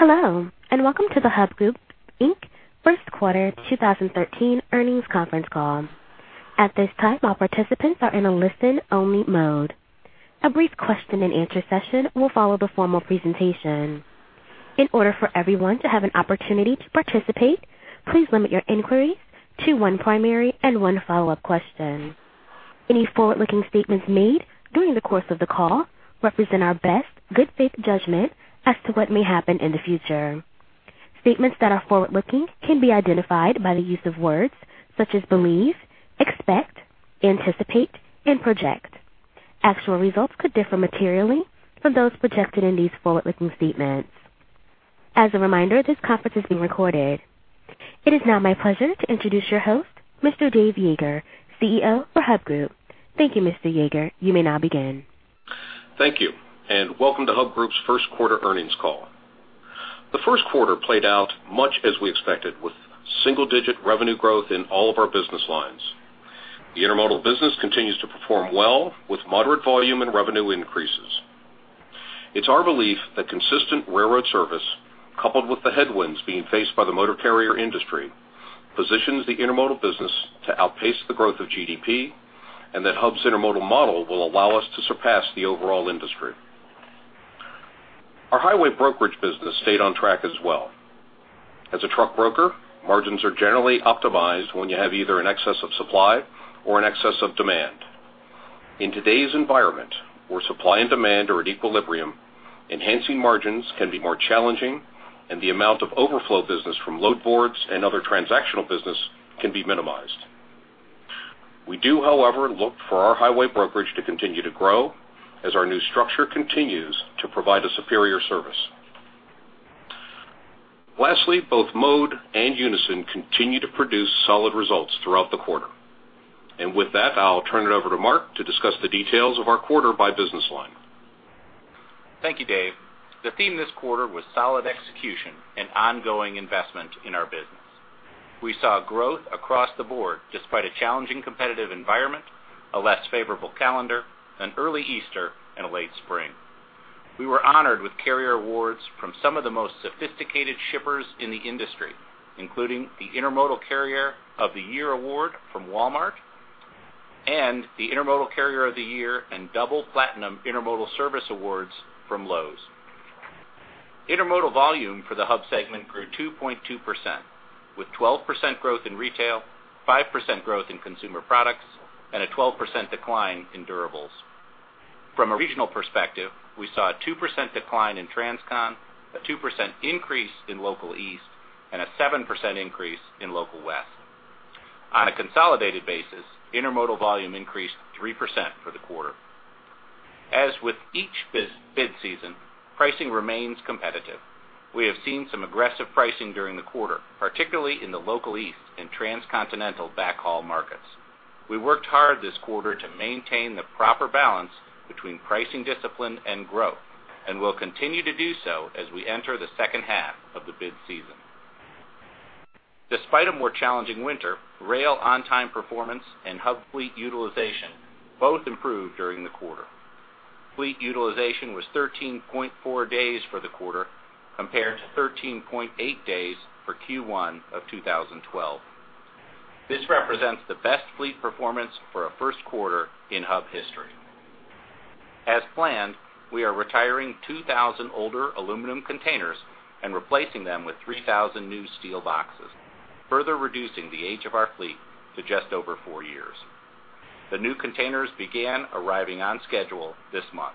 Hello, and welcome to the Hub Group, Inc. First Quarter 2013 Earnings Conference Call. At this time, all participants are in a listen-only mode. A brief question-and-answer session will follow the formal presentation. In order for everyone to have an opportunity to participate, please limit your inquiries to one primary and one follow-up question. Any forward-looking statements made during the course of the call represent our best good faith judgment as to what may happen in the future. Statements that are forward-looking can be identified by the use of words such as believe, expect, anticipate, and project. Actual results could differ materially from those projected in these forward-looking statements. As a reminder, this conference is being recorded. It is now my pleasure to introduce your host, Mr. Dave Yeager, CEO for Hub Group. Thank you, Mr. Yeager. You may now begin. Thank you, and welcome to Hub Group's first quarter earnings call. The first quarter played out much as we expected, with single-digit revenue growth in all of our business lines. The intermodal business continues to perform well, with moderate volume and revenue increases. It's our belief that consistent railroad service, coupled with the headwinds being faced by the motor carrier industry, positions the intermodal business to outpace the growth of GDP and that Hub's intermodal model will allow us to surpass the overall industry. Our highway brokerage business stayed on track as well. As a truck broker, margins are generally optimized when you have either an excess of supply or an excess of demand. In today's environment, where supply and demand are at equilibrium, enhancing margins can be more challenging, and the amount of overflow business from load boards and other transactional business can be minimized. We do, however, look for our highway brokerage to continue to grow as our new structure continues to provide a superior service. Lastly, both Mode and Unison continue to produce solid results throughout the quarter. With that, I'll turn it over to Mark to discuss the details of our quarter by business line. Thank you, Dave. The theme this quarter was solid execution and ongoing investment in our business. We saw growth across the board despite a challenging competitive environment, a less favorable calendar, an early Easter, and a late spring. We were honored with carrier awards from some of the most sophisticated shippers in the industry, including the Intermodal Carrier of the Year award from Walmart and the Intermodal Carrier of the Year and Double Platinum Intermodal Service awards from Lowe's. Intermodal volume for the Hub segment grew 2.2%, with 12% growth in retail, 5% growth in consumer products, and a 12% decline in durables. From a regional perspective, we saw a 2% decline in Transcon, a 2% increase in Local East, and a 7% increase in Local West. On a consolidated basis, intermodal volume increased 3% for the quarter. As with each bid season, pricing remains competitive. We have seen some aggressive pricing during the quarter, particularly in the local East and transcontinental backhaul markets. We worked hard this quarter to maintain the proper balance between pricing, discipline, and growth, and will continue to do so as we enter the second half of the bid season. Despite a more challenging winter, rail on-time performance and Hub fleet utilization both improved during the quarter. Fleet utilization was 13.4 days for the quarter, compared to 13.8 days for Q1 of 2012. This represents the best fleet performance for a first quarter in Hub history. As planned, we are retiring 2,000 older aluminum containers and replacing them with 3,000 new steel boxes, further reducing the age of our fleet to just over four years. The new containers began arriving on schedule this month.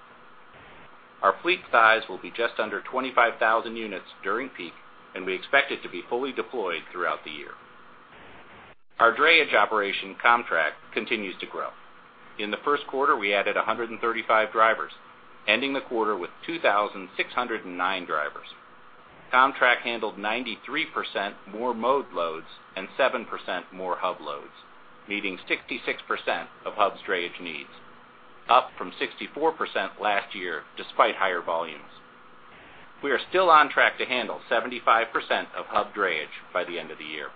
Our fleet size will be just under 25,000 units during peak, and we expect it to be fully deployed throughout the year. Our drayage operation, Comtrak, continues to grow. In the first quarter, we added 135 drivers, ending the quarter with 2,609 drivers. Comtrak handled 93% more Mode loads and 7% more Hub loads, meeting 66% of Hub's drayage needs, up from 64% last year, despite higher volumes. We are still on track to handle 75% of Hub drayage by the end of the year.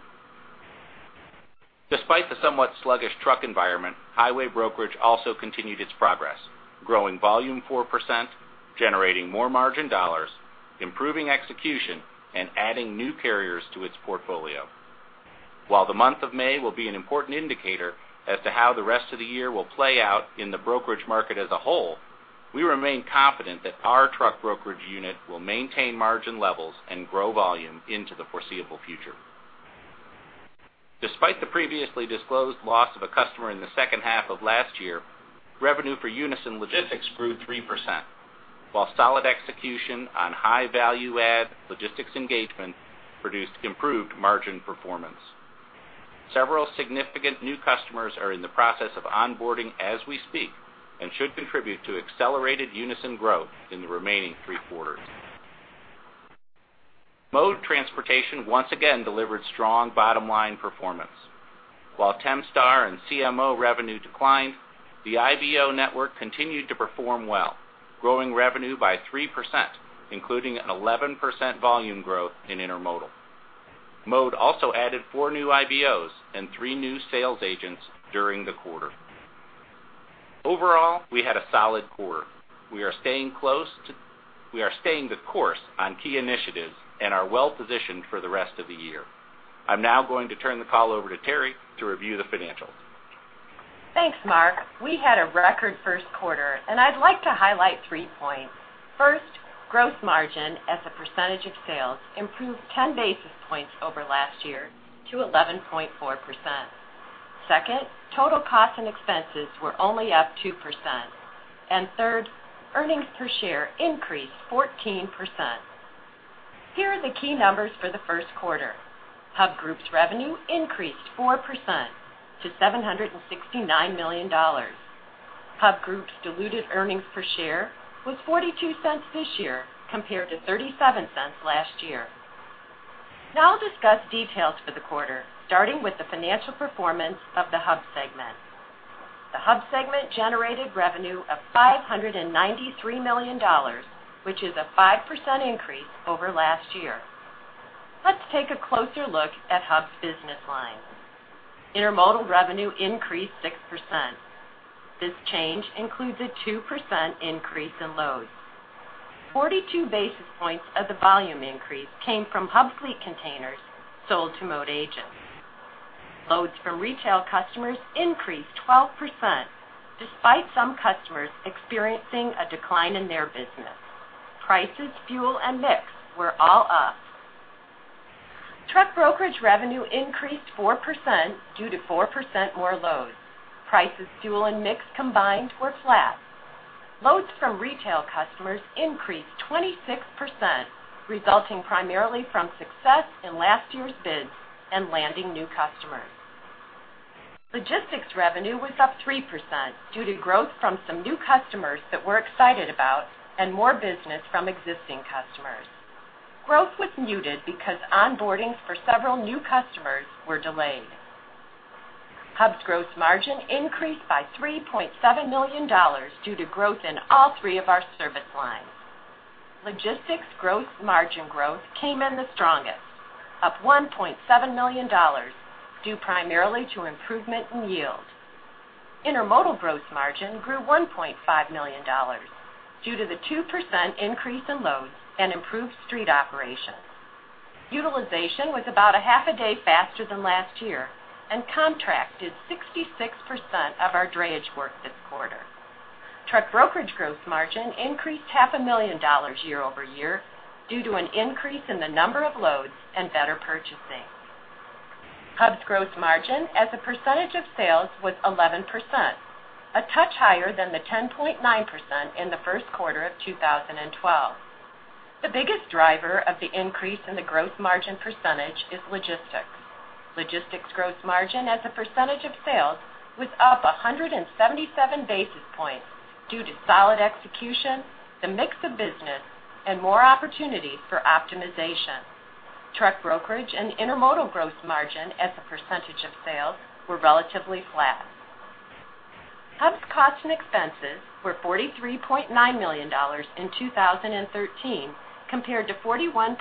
Despite the somewhat sluggish truck environment, highway brokerage also continued its progress, growing volume 4%, generating more margin dollars, improving execution, and adding new carriers to its portfolio. While the month of May will be an important indicator as to how the rest of the year will play out in the brokerage market as a whole, we remain confident that our truck brokerage unit will maintain margin levels and grow volume into the foreseeable future. Despite the previously disclosed loss of a customer in the second half of last year, revenue for Unison Logistics grew 3%, while solid execution on high value-add logistics engagement produced improved margin performance. Several significant new customers are in the process of onboarding as we speak and should contribute to accelerated Unison growth in the remaining three quarters. Mode Transportation once again delivered strong bottom-line performance. While Temstar and TMO revenue declined, the IBO network continued to perform well, growing revenue by 3%, including an 11% volume growth in intermodal. Mode also added four new IBOs and three new sales agents during the quarter. Overall, we had a solid quarter. We are staying the course on key initiatives and are well-positioned for the rest of the year. I'm now going to turn the call over to Terri to review the financials. Thanks, Mark. We had a record first quarter, and I'd like to highlight three points. First, gross margin as a percentage of sales improved 10 basis points over last year to 11.4%. Second, total costs and expenses were only up 2%. And third, earnings per share increased 14%. Here are the key numbers for the first quarter. Hub Group's revenue increased 4% to $769 million. Hub Group's diluted earnings per share was $0.42 this year, compared to $0.37 last year. Now I'll discuss details for the quarter, starting with the financial performance of the Hub segment. The Hub segment generated revenue of $593 million, which is a 5% increase over last year. Let's take a closer look at Hub's business lines. Intermodal revenue increased 6%. This change includes a 2% increase in loads. 42 basis points of the volume increase came from Hub fleet containers sold to Mode agents. Loads for retail customers increased 12%, despite some customers experiencing a decline in their business. Prices, fuel, and mix were all up. Truck brokerage revenue increased 4% due to 4% more loads. Prices, fuel, and mix combined were flat. Loads from retail customers increased 26%, resulting primarily from success in last year's bids and landing new customers. Logistics revenue was up 3% due to growth from some new customers that we're excited about and more business from existing customers. Growth was muted because onboardings for several new customers were delayed. Hub's gross margin increased by $3.7 million due to growth in all three of our service lines. Logistics gross margin growth came in the strongest, up $1.7 million, due primarily to improvement in yield. Intermodal gross margin grew $1.5 million due to the 2% increase in loads and improved street operations. Utilization was about a half a day faster than last year, and Comtrak did 66% of our drayage work this quarter. Truck brokerage gross margin increased $500,000 year-over-year due to an increase in the number of loads and better purchasing. Hub's gross margin as a percentage of sales was 11%, a touch higher than the 10.9% in the first quarter of 2012. The biggest driver of the increase in the gross margin percentage is logistics. Logistics gross margin as a percentage of sales was up 177 basis points due to solid execution, the mix of business, and more opportunities for optimization. Truck brokerage and intermodal gross margin as a percentage of sales were relatively flat. Hub's costs and expenses were $43.9 million in 2013, compared to $41.6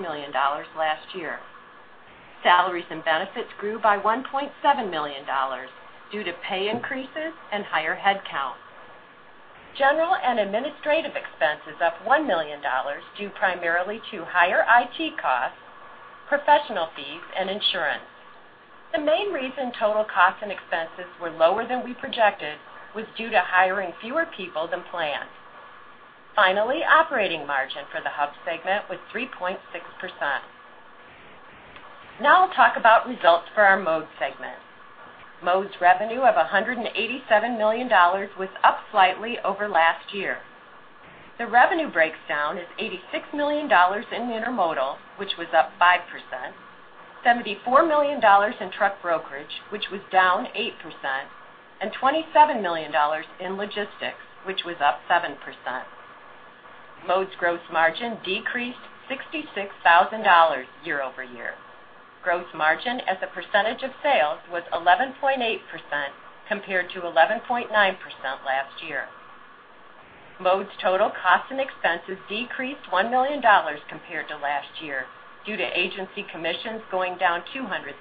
million last year. Salaries and benefits grew by $1.7 million due to pay increases and higher headcount. General and administrative expenses up $1 million, due primarily to higher IT costs, professional fees, and insurance. The main reason total costs and expenses were lower than we projected was due to hiring fewer people than planned. Finally, operating margin for the Hub segment was 3.6%. Now I'll talk about results for our Mode segment. Mode's revenue of $187 million was up slightly over last year. The revenue breakdown is $86 million in intermodal, which was up 5%, $74 million in truck brokerage, which was down 8%, and $27 million in logistics, which was up 7%. Mode's gross margin decreased $66,000 year-over-year. Gross margin as a percentage of sales was 11.8%, compared to 11.9% last year. Mode's total costs and expenses decreased $1 million compared to last year due to agency commissions going down $200,000,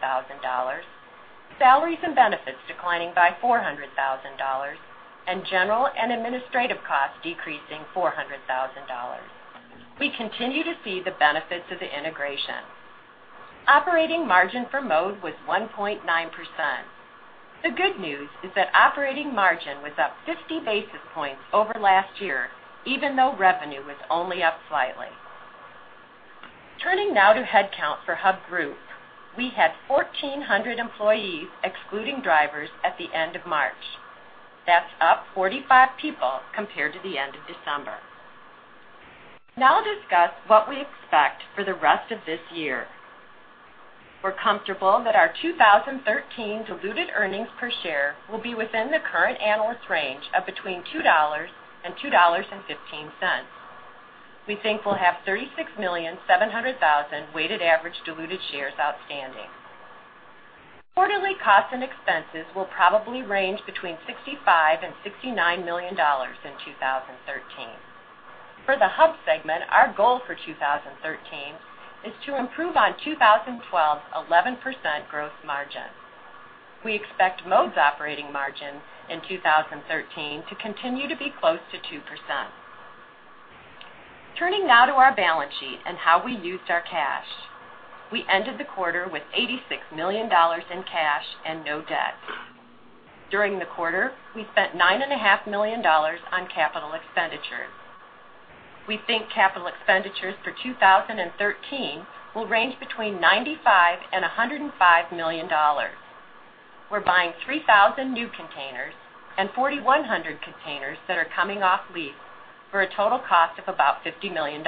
salaries and benefits declining by $400,000, and general and administrative costs decreasing $400,000. We continue to see the benefits of the integration. Operating margin for Mode was 1.9%. The good news is that operating margin was up 50 basis points over last year, even though revenue was only up slightly. Turning now to headcount for Hub Group, we had 1,400 employees, excluding drivers, at the end of March. That's up 45 people compared to the end of December. Now I'll discuss what we expect for the rest of this year. We're comfortable that our 2013 diluted earnings per share will be within the current analyst range of between $2 and $2.15. We think we'll have 36.7 million weighted average diluted shares outstanding. Quarterly costs and expenses will probably range between $65 million and $69 million in 2013....For the Hub segment, our goal for 2013 is to improve on 2012's 11% gross margin. We expect Mode's operating margin in 2013 to continue to be close to 2%. Turning now to our balance sheet and how we used our cash. We ended the quarter with $86 million in cash and no debt. During the quarter, we spent $9.5 million on capital expenditures. We think capital expenditures for 2013 will range between $95 million and $105 million. We're buying 3,000 new containers and 4,100 containers that are coming off lease for a total cost of about $50 million.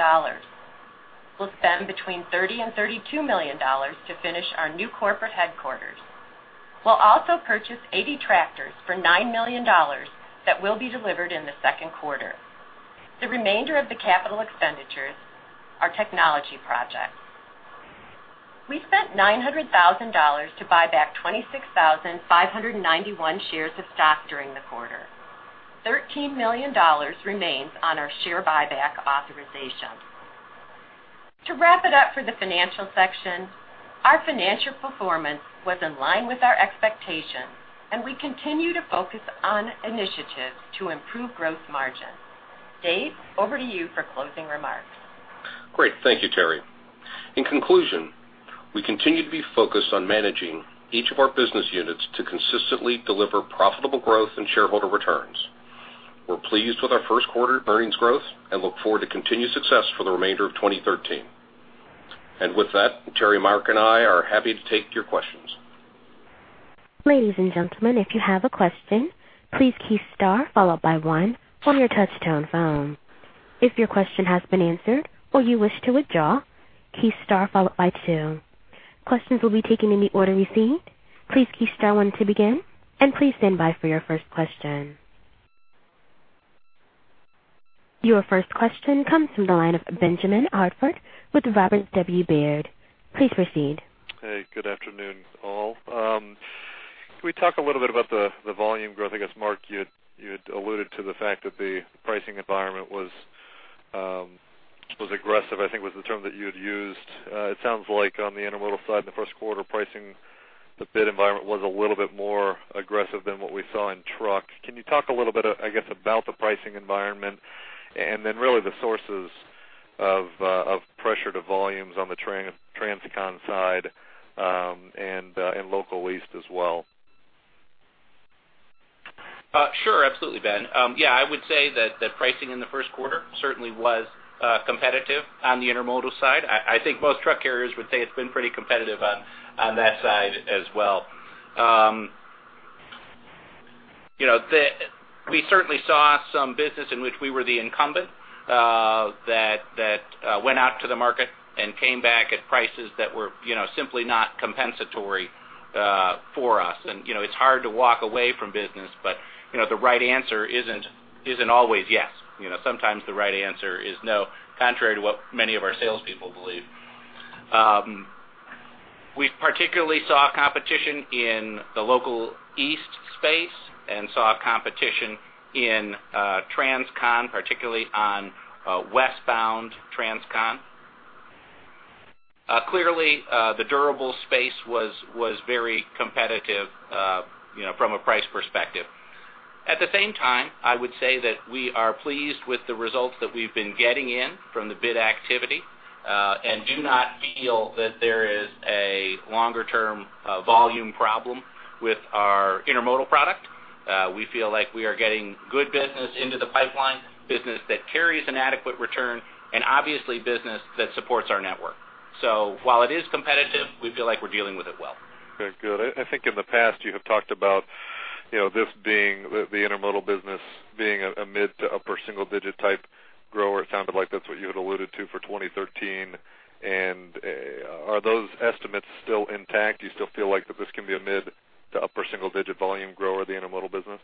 We'll spend between $30 million and $32 million to finish our new corporate headquarters. We'll also purchase 80 tractors for $9 million that will be delivered in the second quarter. The remainder of the capital expenditures are technology projects. We spent $900,000 to buy back 26,591 shares of stock during the quarter. $13 million remains on our share buyback authorization. To wrap it up for the financial section, our financial performance was in line with our expectations, and we continue to focus on initiatives to improve gross margin. Dave, over to you for closing remarks. Great. Thank you, Terri. In conclusion, we continue to be focused on managing each of our business units to consistently deliver profitable growth and shareholder returns. We're pleased with our first quarter earnings growth and look forward to continued success for the remainder of 2013. And with that, Terri, Mark, and I are happy to take your questions. Ladies and gentlemen, if you have a question, please key star followed by one on your touchtone phone. If your question has been answered or you wish to withdraw, key star followed by two. Questions will be taken in the order received. Please key star one to begin, and please stand by for your first question. Your first question comes from the line of Ben Hartford with Robert W. Baird. Please proceed. Hey, good afternoon, all. Can we talk a little bit about the volume growth? I guess, Mark, you had alluded to the fact that the pricing environment was aggressive, I think, was the term that you had used. It sounds like on the intermodal side, in the first quarter, pricing, the bid environment was a little bit more aggressive than what we saw in truck. Can you talk a little bit, I guess, about the pricing environment and then really the sources of pressure to volumes on the Transcon side, and in Local East as well? Sure. Absolutely, Ben. Yeah, I would say that the pricing in the first quarter certainly was competitive on the intermodal side. I, I think most truck carriers would say it's been pretty competitive on that side as well. You know, we certainly saw some business in which we were the incumbent that went out to the market and came back at prices that were, you know, simply not compensatory for us. And, you know, it's hard to walk away from business, but, you know, the right answer isn't always yes. You know, sometimes the right answer is no, contrary to what many of our salespeople believe. We particularly saw competition in the Local East space and saw competition in Transcon, particularly on westbound Transcon. Clearly, the durable space was very competitive, you know, from a price perspective. At the same time, I would say that we are pleased with the results that we've been getting in from the bid activity, and do not feel that there is a longer-term volume problem with our intermodal product. We feel like we are getting good business into the pipeline, business that carries an adequate return and, obviously, business that supports our network. So while it is competitive, we feel like we're dealing with it well. Okay, good. I, I think in the past, you have talked about, you know, this being the, the intermodal business being a, a mid to upper single digit type grower. It sounded like that's what you had alluded to for 2013. Are those estimates still intact? Do you still feel like that this can be a mid to upper single digit volume grower, the intermodal business?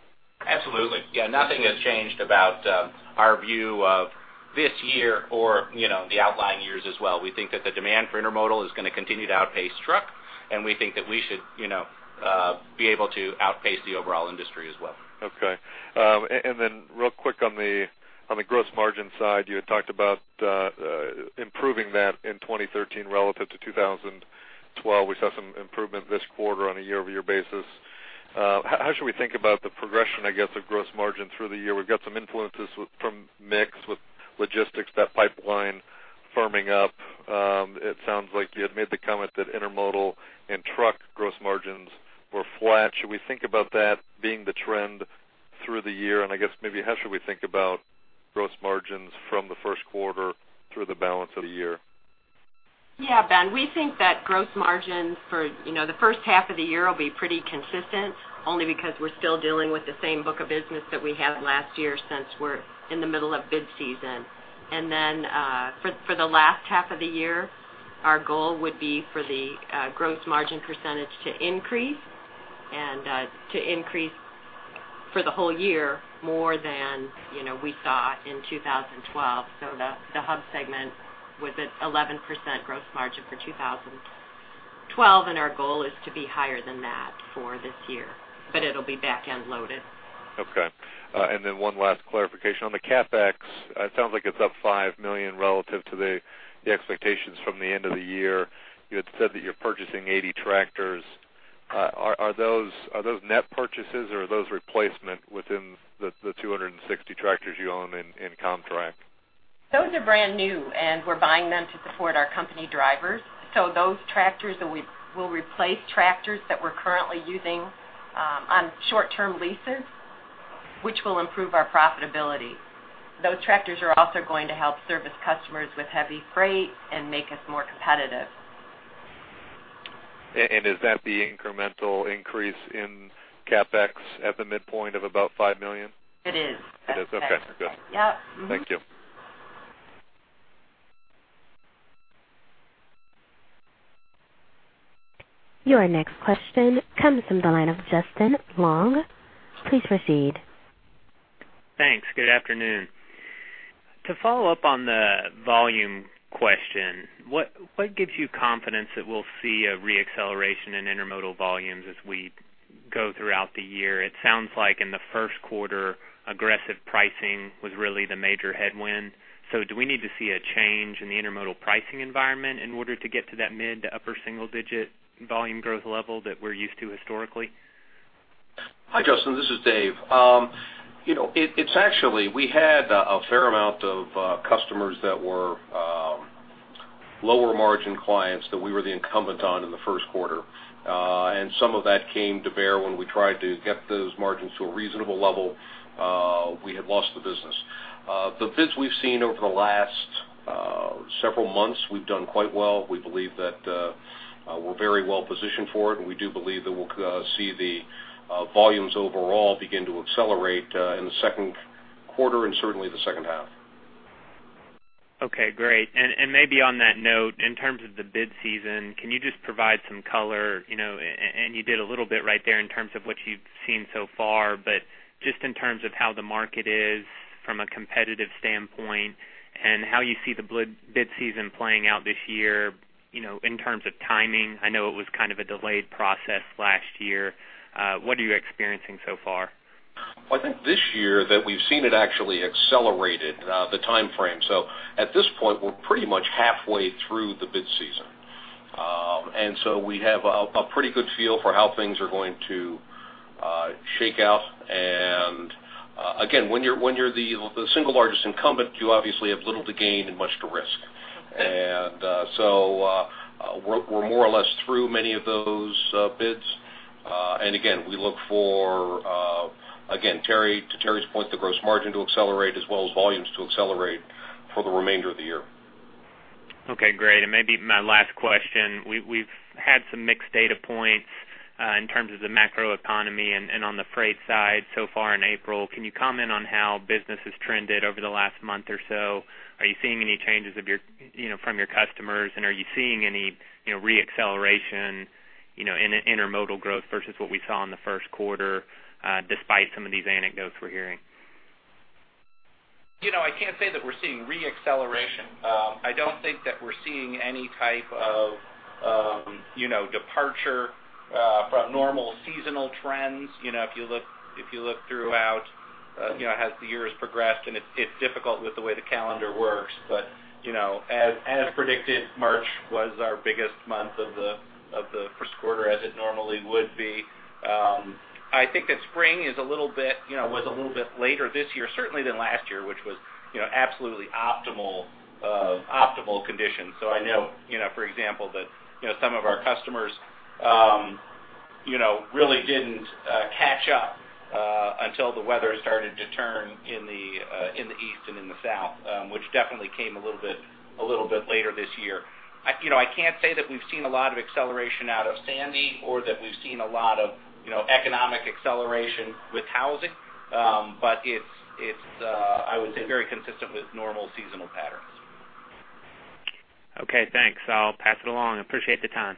Absolutely. Yeah, nothing has changed about our view of this year or, you know, the outlying years as well. We think that the demand for intermodal is gonna continue to outpace truck, and we think that we should, you know, be able to outpace the overall industry as well. Okay. And then real quick on the gross margin side, you had talked about improving that in 2013 relative to 2012. We saw some improvement this quarter on a year-over-year basis. How should we think about the progression, I guess, of gross margin through the year? We've got some influences from mix, with logistics, that pipeline firming up. It sounds like you had made the comment that intermodal and truck gross margins were flat. Should we think about that being the trend through the year? And I guess maybe how should we think about gross margins from the first quarter through the balance of the year? Yeah, Ben, we think that gross margins for, you know, the first half of the year will be pretty consistent, only because we're still dealing with the same book of business that we had last year since we're in the middle of bid season. And then for the last half of the year, our goal would be for the gross margin percentage to increase and to increase for the whole year more than, you know, we saw in 2012. So the Hub segment with an 11% gross margin for 2012, and our goal is to be higher than that for this year, but it'll be back-end loaded. Okay. And then one last clarification. On the CapEx, it sounds like it's up $5 million relative to the expectations from the end of the year. You had said that you're purchasing 80 tractors. Are those net purchases, or are those replacement within the 260 tractors you own in contract? Those are brand new, and we're buying them to support our company drivers. So those tractors that will replace tractors that we're currently using on short-term leases, which will improve our profitability. Those tractors are also going to help service customers with heavy freight and make us more competitive. And is that the incremental increase in CapEx at the midpoint of about $5 million? It is. It is. Okay, good. Yep. Mm-hmm. Thank you. Your next question comes from the line of Justin Long. Please proceed. Thanks. Good afternoon. To follow up on the volume question, what gives you confidence that we'll see a re-acceleration in intermodal volumes as we go throughout the year? It sounds like in the first quarter, aggressive pricing was really the major headwind. So do we need to see a change in the intermodal pricing environment in order to get to that mid- to upper-single-digit volume growth level that we're used to historically? Hi, Justin, this is Dave. You know, it's actually we had a fair amount of customers that were lower margin clients that we were the incumbent on in the first quarter. And some of that came to bear when we tried to get those margins to a reasonable level, we had lost the business. The bids we've seen over the last several months, we've done quite well. We believe that we're very well positioned for it, and we do believe that we'll see the volumes overall begin to accelerate in the second quarter and certainly the second half. Okay, great. And maybe on that note, in terms of the bid season, can you just provide some color, you know, and you did a little bit right there in terms of what you've seen so far, but just in terms of how the market is from a competitive standpoint, and how you see the bid season playing out this year, you know, in terms of timing. I know it was kind of a delayed process last year. What are you experiencing so far? I think this year, that we've seen it actually accelerated, the time frame. So at this point, we're pretty much halfway through the bid season. And so we have a pretty good feel for how things are going to shake out. And, again, when you're the single largest incumbent, you obviously have little to gain and much to risk. And, so, we're more or less through many of those bids. And again, we look for, again, Terri, to Terri's point, the gross margin to accelerate as well as volumes to accelerate for the remainder of the year. Okay, great. And maybe my last question, we've had some mixed data points in terms of the macroeconomy and on the freight side so far in April. Can you comment on how business has trended over the last month or so? Are you seeing any changes from your, you know, customers, and are you seeing any, you know, re-acceleration, you know, in intermodal growth versus what we saw in the first quarter, despite some of these anecdotes we're hearing? You know, I can't say that we're seeing re-acceleration. I don't think that we're seeing any type of, you know, departure from normal seasonal trends. You know, if you look, if you look throughout, you know, as the years progressed, and it's, it's difficult with the way the calendar works, but, you know, as, as predicted, March was our biggest month of the, of the first quarter, as it normally would be. I think that spring is a little bit, you know, was a little bit later this year, certainly than last year, which was, you know, absolutely optimal, optimal conditions. So I know, you know, for example, that, you know, some of our customers, you know, really didn't catch up until the weather started to turn in the east and in the south, which definitely came a little bit, a little bit later this year. I, you know, I can't say that we've seen a lot of acceleration out of Sandy or that we've seen a lot of, you know, economic acceleration with housing. But it's, it's, I would say, very consistent with normal seasonal patterns. Okay, thanks. I'll pass it along. Appreciate the time.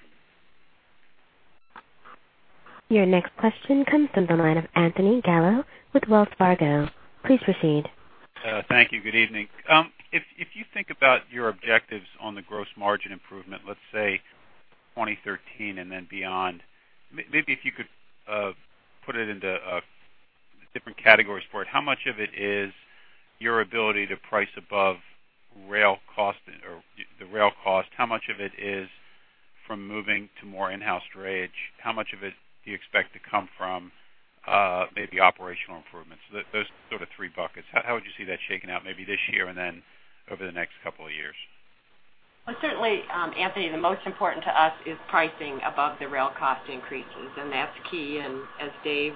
Your next question comes from the line of Anthony Gallo with Wells Fargo. Please proceed. Thank you. Good evening. If, if you think about your objectives on the gross margin improvement, let's say, 2013 and then beyond, maybe if you could put it into different categories for it. How much of it is your ability to price above rail cost or the, the rail cost? How much of it is from moving to more in-house drayage? How much of it do you expect to come from maybe operational improvements? So those sort of three buckets, how, how would you see that shaking out, maybe this year and then over the next couple of years? Well, certainly, Anthony, the most important to us is pricing above the rail cost increases, and that's key. And as Dave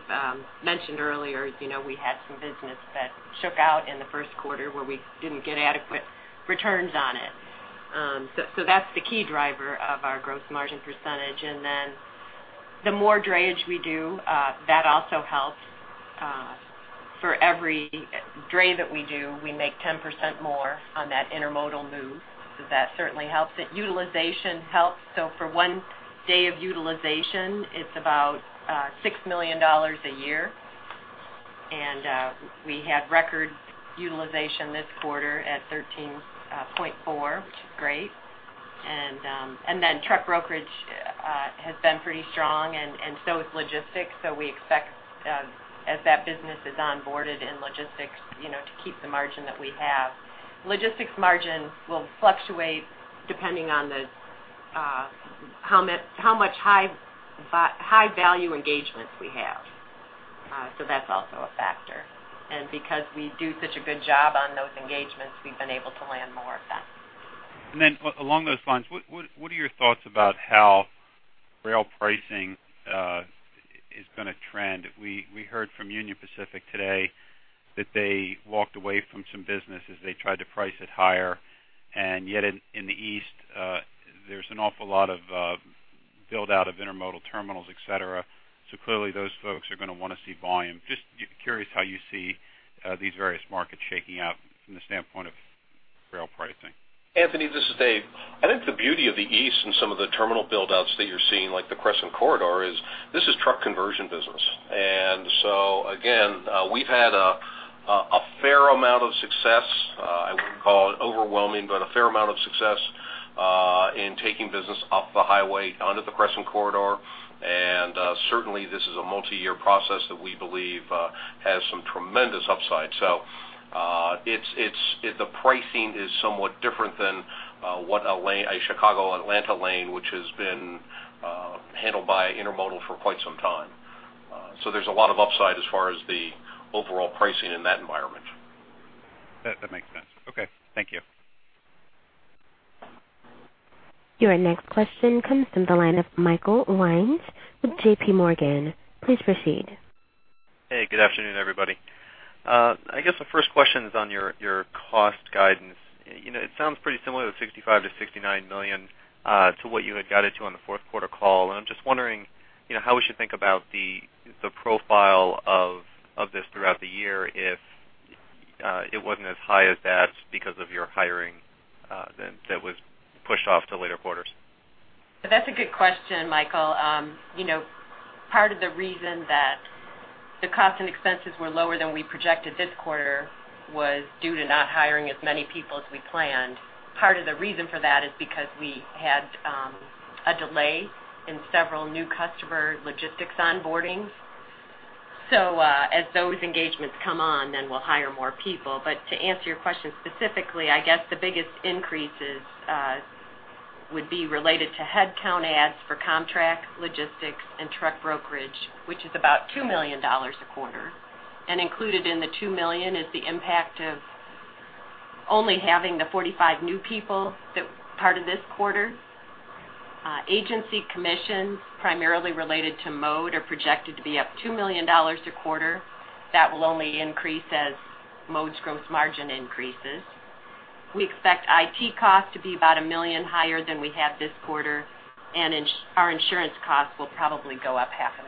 mentioned earlier, you know, we had some business that shook out in the first quarter where we didn't get adequate returns on it. So that's the key driver of our gross margin percentage. And then the more drayage we do, that also helps. For every dray that we do, we make 10% more on that intermodal move. So that certainly helps. And utilization helps. So for one day of utilization, it's about $6 million a year. And we had record utilization this quarter at 13.4, which is great. And then truck brokerage has been pretty strong, and so is logistics. So we expect, as that business is onboarded in logistics, you know, to keep the margin that we have. Logistics margins will fluctuate depending on how much high-value engagements we have. So that's also a factor. And because we do such a good job on those engagements, we've been able to land more of them. And then along those lines, what are your thoughts about how rail pricing is gonna trend? We heard from Union Pacific today that they walked away from some business as they tried to price it higher. And yet in the East, there's an awful lot of buildout of intermodal terminals, et cetera. So clearly, those folks are gonna wanna see volume. Just curious how you see these various markets shaking out from the standpoint of rail pricing. Anthony, this is Dave. I think the beauty of the East and some of the terminal buildouts that you're seeing, like the Crescent Corridor, is this is truck conversion business. And so again, we've had a fair amount of success. I wouldn't call it overwhelming, but a fair amount of success in taking business off the highway onto the Crescent Corridor. And certainly, this is a multiyear process that we believe has some tremendous upside. So, it's the pricing is somewhat different than what a lane, a Chicago-Atlanta lane, which has been handled by intermodal for quite some time. So there's a lot of upside as far as the overall pricing in that environment. That, that makes sense. Okay, thank you. Your next question comes from the line of Thomas Wadewitz with J.P. Morgan. Please proceed. Hey, good afternoon, everybody. I guess the first question is on your, your cost guidance. You know, it sounds pretty similar to $65 million-$69 million to what you had guided to on the fourth quarter call. And I'm just wondering, you know, how we should think about the, the profile of, of this throughout the year if it wasn't as high as that because of your hiring, that, that was pushed off to later quarters? That's a good question, Michael. You know, part of the reason that the cost and expenses were lower than we projected this quarter was due to not hiring as many people as we planned. Part of the reason for that is because we had a delay in several new customer logistics onboardings. So, as those engagements come on, then we'll hire more people. But to answer your question specifically, I guess the biggest increases would be related to headcount adds for Comtrak, logistics, and truck brokerage, which is about $2 million a quarter. And included in the $2 million is the impact of only having the 45 new people that part of this quarter. Agency commissions, primarily related to Mode, are projected to be up $2 million a quarter. That will only increase as Mode's gross margin increases. We expect IT costs to be about $1 million higher than we have this quarter, and our insurance costs will probably go up $500,000.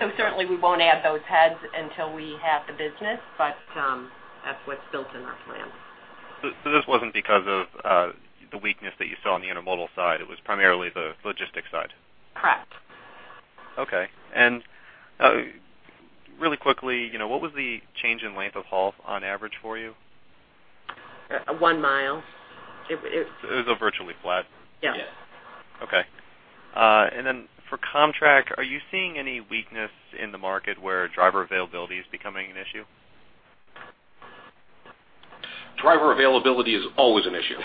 So certainly, we won't add those heads until we have the business, but that's what's built in our plans. So this wasn't because of the weakness that you saw on the intermodal side, it was primarily the logistics side? Correct. Okay. Really quickly, you know, what was the change in length of haul on average for you? One mile. It was virtually flat? Yeah. Yeah. Okay. And then for Comtrak, are you seeing any weakness in the market where driver availability is becoming an issue? Driver availability is always an issue.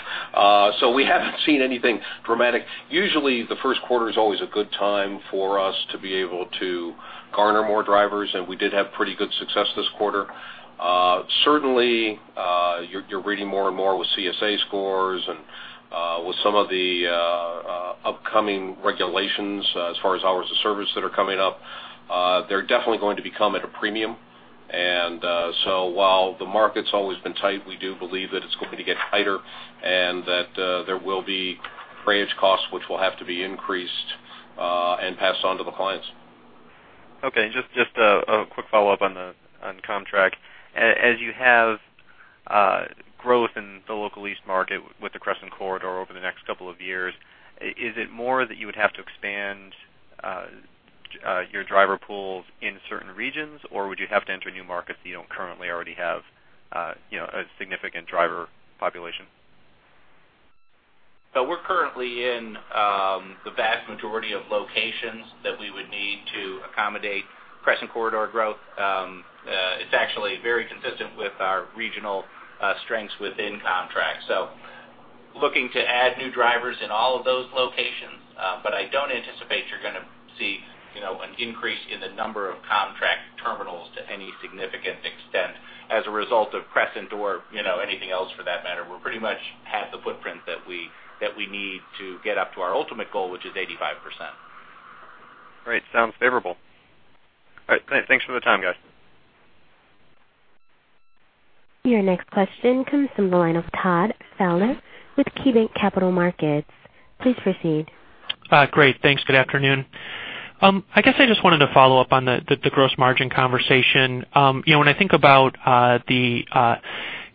So we haven't seen anything dramatic. Usually, the first quarter is always a good time for us to be able to garner more drivers, and we did have pretty good success this quarter. Certainly, you're reading more and more with CSA scores and with some of the upcoming regulations as far as hours of service that are coming up. They're definitely going to become at a premium. So while the market's always been tight, we do believe that it's going to get tighter and that there will be freight costs, which will have to be increased and passed on to the clients. Okay, and just a quick follow-up on Comtrak. As you have growth in the Local East market with the Crescent Corridor over the next couple of years, is it more that you would have to expand your driver pools in certain regions, or would you have to enter new markets that you don't currently already have, you know, a significant driver population? So we're currently in the vast majority of locations that we would need to accommodate Crescent Corridor growth. It's actually very consistent with our regional strengths within Comtrak. So looking to add new drivers in all of those locations, but I don't anticipate you're gonna see, you know, an increase in the number of Comtrak terminals to any significant extent as a result of Crescent or, you know, anything else for that matter. We're pretty much have the footprint that we need to get up to our ultimate goal, which is 85%. Great. Sounds favorable. All right, thanks for the time, guys. Your next question comes from the line of Todd Fowler with KeyBanc Capital Markets. Please proceed. Great. Thanks. Good afternoon. I guess I just wanted to follow up on the gross margin conversation. You know, when I think about the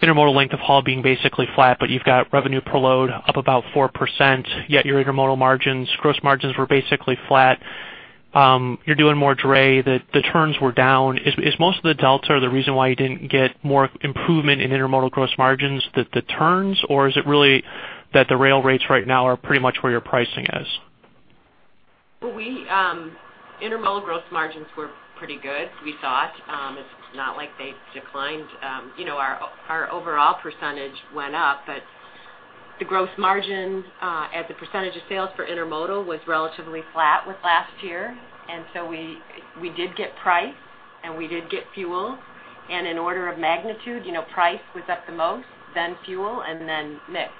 intermodal length of haul being basically flat, but you've got revenue per load up about 4%, yet your intermodal margins, gross margins were basically flat. You're doing more dray, the turns were down. Is most of the delta, the reason why you didn't get more improvement in intermodal gross margins, the turns? Or is it really that the rail rates right now are pretty much where your pricing is? Well, we intermodal gross margins were pretty good. We thought, it's not like they declined. You know, our overall percentage went up, but the gross margin as a percentage of sales for intermodal was relatively flat with last year. And so we did get price, and we did get fuel, and in order of magnitude, you know, price was up the most, then fuel, and then mix.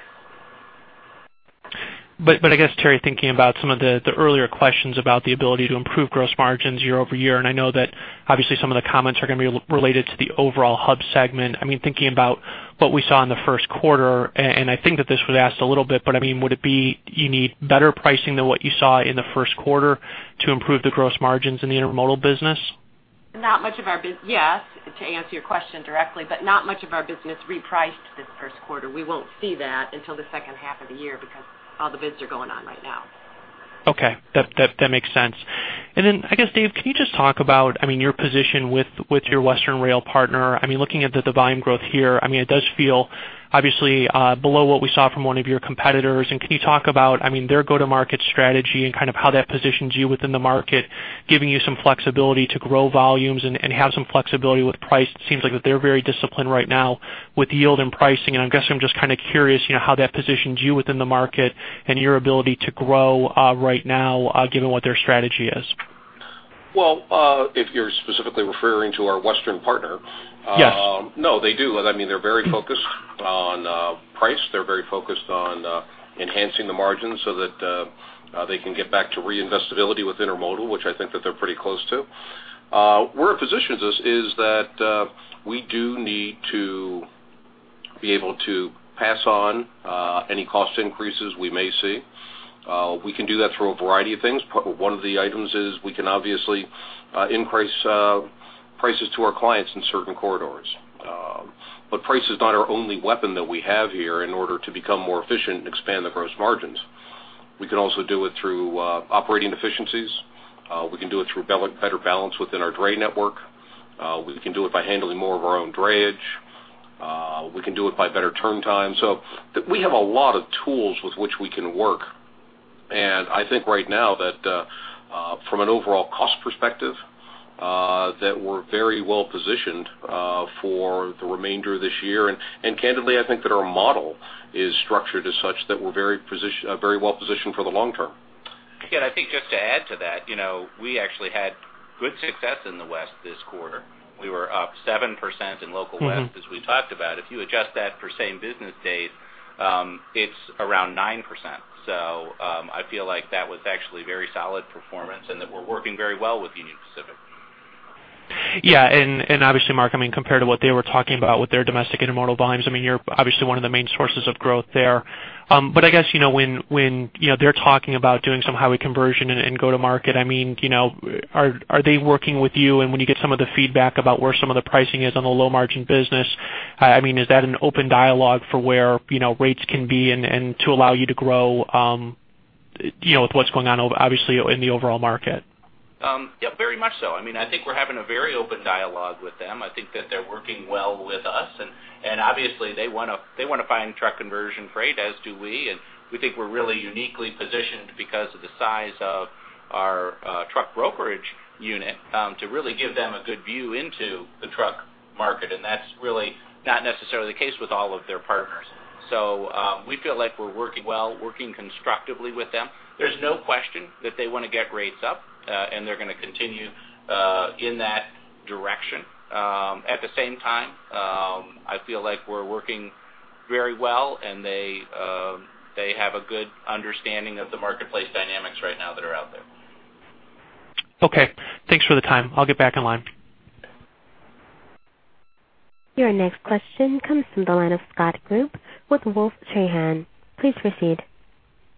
But I guess, Terri, thinking about some of the earlier questions about the ability to improve gross margins year-over-year, and I know that obviously some of the comments are gonna be related to the overall Hub segment. I mean, thinking about what we saw in the first quarter, and I think that this was asked a little bit, but I mean, would you need better pricing than what you saw in the first quarter to improve the gross margins in the intermodal business? Not much of our business, yes, to answer your question directly, but not much of our business repriced this first quarter. We won't see that until the second half of the year because all the bids are going on right now. Okay, that makes sense. And then I guess, Dave, can you just talk about, I mean, your position with your Western rail partner? I mean, looking at the volume growth here, I mean, it does feel obviously below what we saw from one of your competitors. And can you talk about, I mean, their go-to-market strategy and kind of how that positions you within the market, giving you some flexibility to grow volumes and have some flexibility with price? It seems like that they're very disciplined right now with yield and pricing, and I'm guessing I'm just kind of curious, you know, how that positions you within the market and your ability to grow right now, given what their strategy is. Well, if you're specifically referring to our Western partner? Yes. No, they do. I mean, they're very focused on price. They're very focused on enhancing the margins so that they can get back to reinvestibility with intermodal, which I think that they're pretty close to. Where it positions us is that we do need to be able to pass on any cost increases we may see. We can do that through a variety of things. One of the items is we can obviously increase prices to our clients in certain corridors. But price is not our only weapon that we have here in order to become more efficient and expand the gross margins. We can also do it through operating efficiencies. We can do it through better balance within our dray network. We can do it by handling more of our own drayage. We can do it by better turn times. So we have a lot of tools with which we can work, and I think right now that, from an overall cost perspective, that we're very well positioned for the remainder of this year. And candidly, I think that our model is structured as such that we're very well positioned for the long term. Yeah, I think just to add to that, you know, we actually had good success in the West this quarter. We were up 7% in Local West- Mm-hmm -as we talked about. If you adjust that for same business days, it's around 9%. So, I feel like that was actually very solid performance and that we're working very well with Union Pacific. Yeah, and obviously, Mark, I mean, compared to what they were talking about with their domestic intermodal volumes, I mean, you're obviously one of the main sources of growth there. But I guess, you know, when you know, they're talking about doing some highway conversion and go to market, I mean, you know, are they working with you? And when you get some of the feedback about where some of the pricing is on the low margin business, I mean, is that an open dialogue for where, you know, rates can be and to allow you to grow, you know, with what's going on obviously in the overall market? Yeah, very much so. I mean, I think we're having a very open dialogue with them. I think that they're working well with us, and obviously, they wanna find truck conversion freight, as do we. And we think we're really uniquely positioned because of the size of our truck brokerage unit to really give them a good view into the truck market, and that's really not necessarily the case with all of their partners. So, we feel like we're working well, working constructively with them. There's no question that they wanna get rates up, and they're gonna continue in that direction. At the same time, I feel like we're working very well, and they have a good understanding of the marketplace dynamics right now that are out there. Okay, thanks for the time. I'll get back in line. Your next question comes from the line of Scott Group with Wolfe Trahan. Please proceed.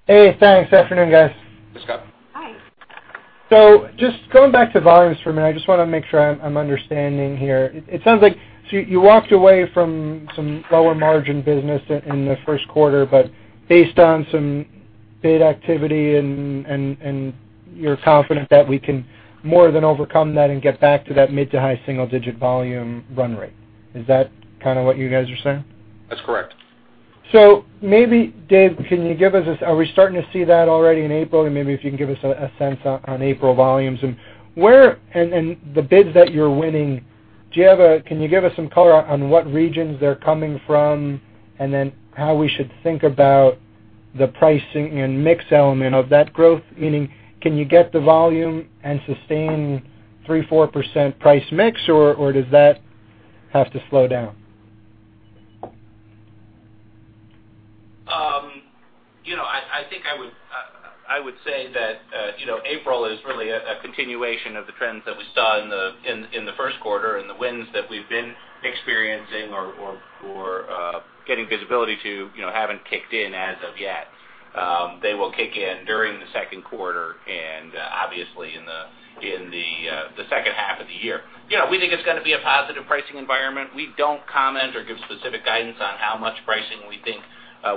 Hey, thanks. Afternoon, guys. Hey, Scott. Hi. So just going back to volumes for a minute, I just wanna make sure I'm understanding here. It sounds like you walked away from some lower margin business in the first quarter, but based on some paid activity and you're confident that we can more than overcome that and get back to that mid- to high-single-digit volume run rate. Is that kind of what you guys are saying? That's correct. So maybe, Dave, can you give us a... Are we starting to see that already in April? And maybe if you can give us a, a sense on, on April volumes and where... And, and the bids that you're winning, do you have a-- can you give us some color on what regions they're coming from, and then how we should think about the pricing and mix element of that growth? Meaning, can you get the volume and sustain 3%-4% price mix, or, or does that have to slow down? You know, I think I would say that you know, April is really a continuation of the trends that we saw in the first quarter, and the wins that we've been experiencing or getting visibility to, you know, haven't kicked in as of yet. They will kick in during the second quarter and obviously in the second half of the year. You know, we think it's gonna be a positive pricing environment. We don't comment or give specific guidance on how much pricing we think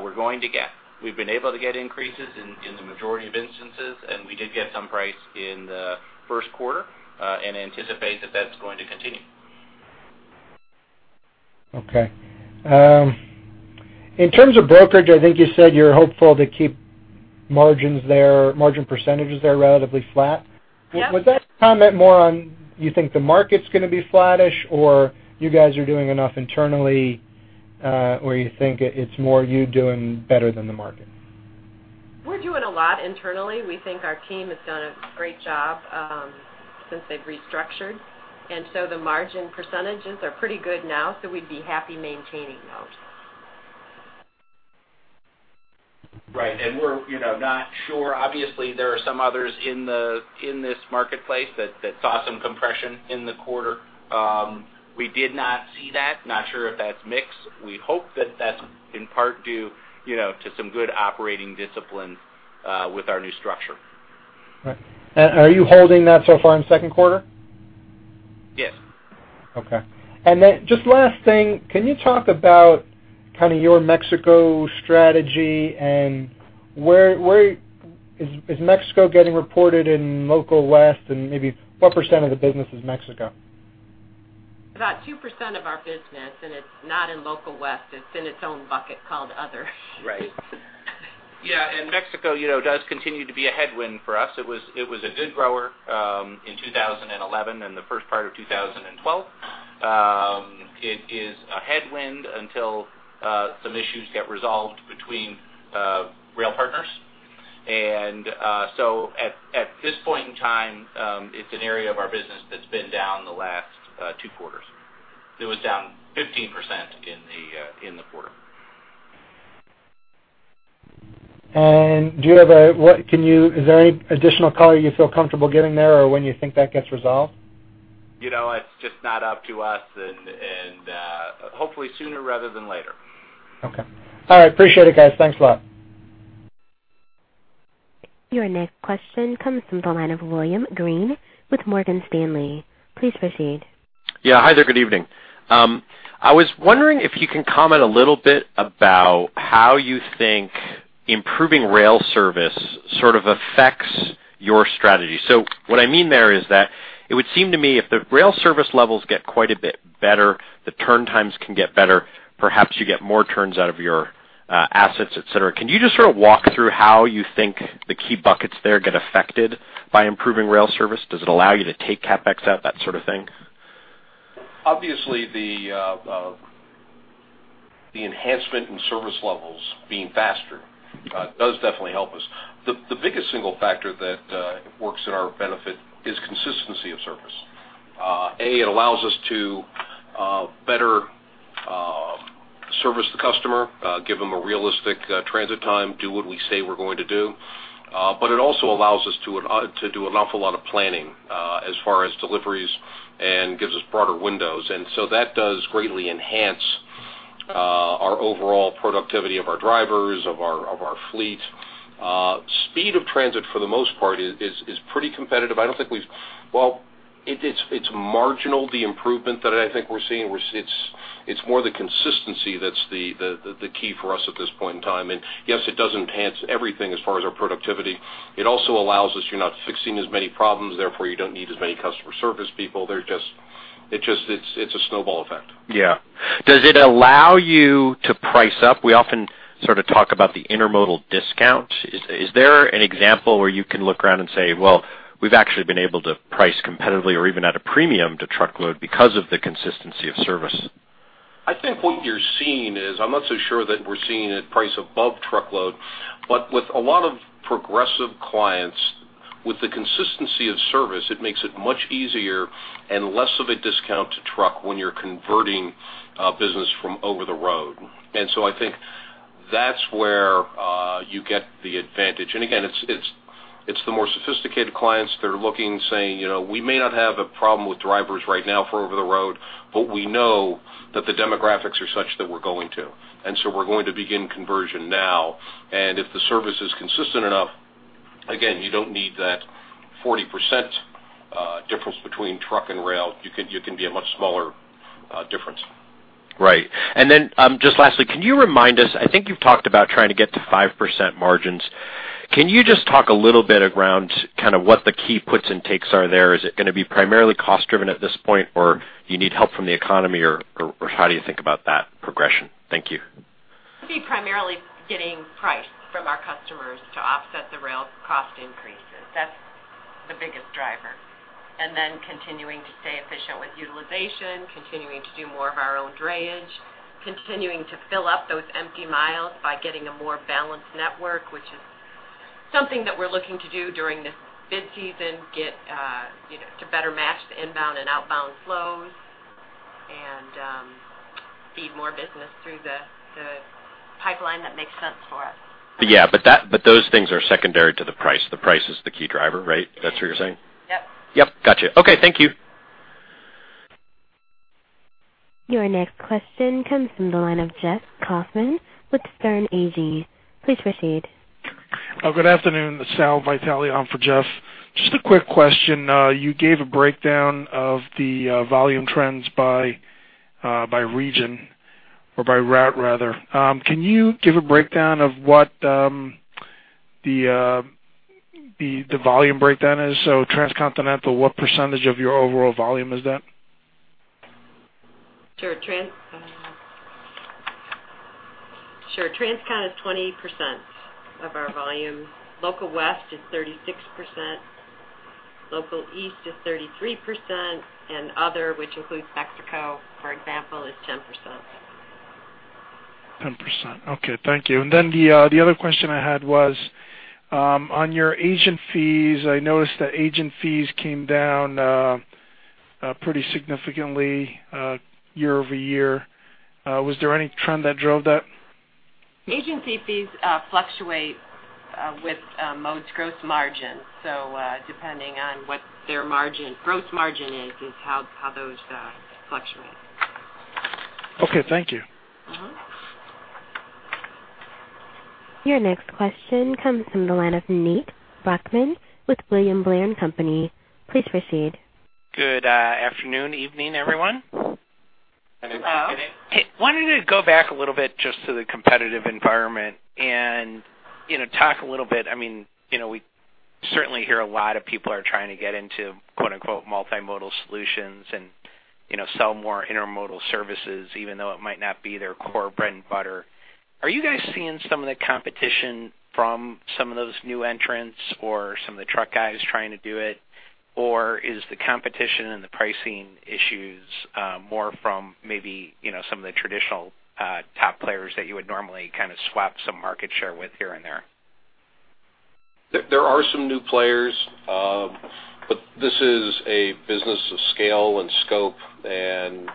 we're going to get. We've been able to get increases in the majority of instances, and we did get some price in the first quarter and anticipate that that's going to continue. Okay. In terms of brokerage, I think you said you're hopeful to keep margins there, margin percentages there relatively flat. Yep. Would that comment more on, you think the market's gonna be flattish, or you guys are doing enough internally, or you think it, it's more you doing better than the market? We're doing a lot internally. We think our team has done a great job, since they've restructured, and so the margin percentages are pretty good now, so we'd be happy maintaining those. Right. And we're, you know, not sure. Obviously, there are some others in this marketplace that saw some compression in the quarter. We did not see that. Not sure if that's mix. We hope that that's in part due, you know, to some good operating discipline with our new structure. Right. Are you holding that so far in the second quarter? Yes. Okay. And then just last thing, can you talk about kind of your Mexico strategy and where is Mexico getting reported in Local West? And maybe what % of the business is Mexico? About 2% of our business, and it's not in Local West. It's in its own bucket called Other. Right. Yeah, and Mexico, you know, does continue to be a headwind for us. It was a good grower in 2011 and the first part of 2012. It is a headwind until some issues get resolved between rail partners. And so at this point in time, it's an area of our business that's been down the last 2 quarters. It was down 15% in the quarter. Is there any additional color you feel comfortable giving there, or when you think that gets resolved? You know, it's just not up to us, and hopefully sooner rather than later. Okay. All right. Appreciate it, guys. Thanks a lot. Your next question comes from the line of William Greene with Morgan Stanley. Please proceed. Yeah. Hi there. Good evening. I was wondering if you can comment a little bit about how you think improving rail service sort of affects your strategy. So what I mean there is that, it would seem to me if the rail service levels get quite a bit better, the turn times can get better, perhaps you get more turns out of your assets, et cetera. Can you just sort of walk through how you think the key buckets there get affected by improving rail service? Does it allow you to take CapEx out, that sort of thing? Obviously, the enhancement in service levels being faster does definitely help us. The biggest single factor that works in our benefit is consistency of service. It allows us to better service the customer, give them a realistic transit time, do what we say we're going to do. But it also allows us to do an awful lot of planning as far as deliveries and gives us broader windows. And so that does greatly enhance our overall productivity of our drivers, of our fleet. Speed of transit, for the most part, is pretty competitive. I don't think we've. Well, it's marginal, the improvement that I think we're seeing, where it's more the consistency that's the key for us at this point in time. And yes, it does enhance everything as far as our productivity. It also allows us, you're not fixing as many problems, therefore, you don't need as many customer service people. They're just... It just, it's, it's a snowball effect. Yeah. Does it allow you to price up? We often sort of talk about the intermodal discount. Is there an example where you can look around and say, "Well, we've actually been able to price competitively or even at a premium to truckload because of the consistency of service? I think what you're seeing is, I'm not so sure that we're seeing it price above truckload, but with a lot of progressive clients, with the consistency of service, it makes it much easier and less of a discount to truck when you're converting business from over the road. And so I think that's where you get the advantage. And again, it's the more sophisticated clients that are looking and saying, "You know, we may not have a problem with drivers right now for over the road, but we know that the demographics are such that we're going to, and so we're going to begin conversion now." And if the service is consistent enough, again, you don't need that 40% difference between truck and rail. You can be a much smaller difference. Right. And then, just lastly, can you remind us? I think you've talked about trying to get to 5% margins. Can you just talk a little bit around kind of what the key puts and takes are there? Is it gonna be primarily cost-driven at this point, or you need help from the economy, or, or, or how do you think about that progression? Thank you. It'll be primarily getting price from our customers to offset the rail cost increases. That's the biggest driver. And then continuing to stay efficient with utilization, continuing to do more of our own drayage, continuing to fill up those empty miles by getting a more balanced network, which is something that we're looking to do during this bid season, get, you know, to better match the inbound and outbound flows, and feed more business through the pipeline that makes sense for us. Yeah, but those things are secondary to the price. The price is the key driver, right? That's what you're saying? Yep. Yep, gotcha. Okay, thank you. Your next question comes from the line of Jeff Kauffman with Sterne Agee. Please proceed. Oh, good afternoon. Sal Vitale on for Jeff. Just a quick question. You gave a breakdown of the volume trends by region or by route rather. Can you give a breakdown of what the volume breakdown is? So transcontinental, what percentage of your overall volume is that? Sure. Sure, Transcon is 20% of our volume. Local West is 36%. Local East is 33%, and other, which includes Mexico, for example, is 10%. 10%. Okay, thank you. And then the other question I had was on your agent fees. I noticed that agent fees came down pretty significantly year-over-year. Was there any trend that drove that? Agency fees fluctuate with Mode's growth margin. So, depending on what their margin, growth margin is, is how those fluctuate. Okay, thank you. Uh-huh. Your next question comes from the line of Nate Brochmann with William Blair & Company. Please proceed. Good afternoon, evening, everyone. Wanted to go back a little bit just to the competitive environment and, you know, talk a little bit. I mean, you know, we certainly hear a lot of people are trying to get into, quote, unquote, "multimodal solutions" and, you know, sell more intermodal services, even though it might not be their core bread and butter. Are you guys seeing some of the competition from some of those new entrants or some of the truck guys trying to do it? Or is the competition and the pricing issues more from maybe, you know, some of the traditional top players that you would normally kind of swap some market share with here and there? There are some new players, but this is a business of scale and scope and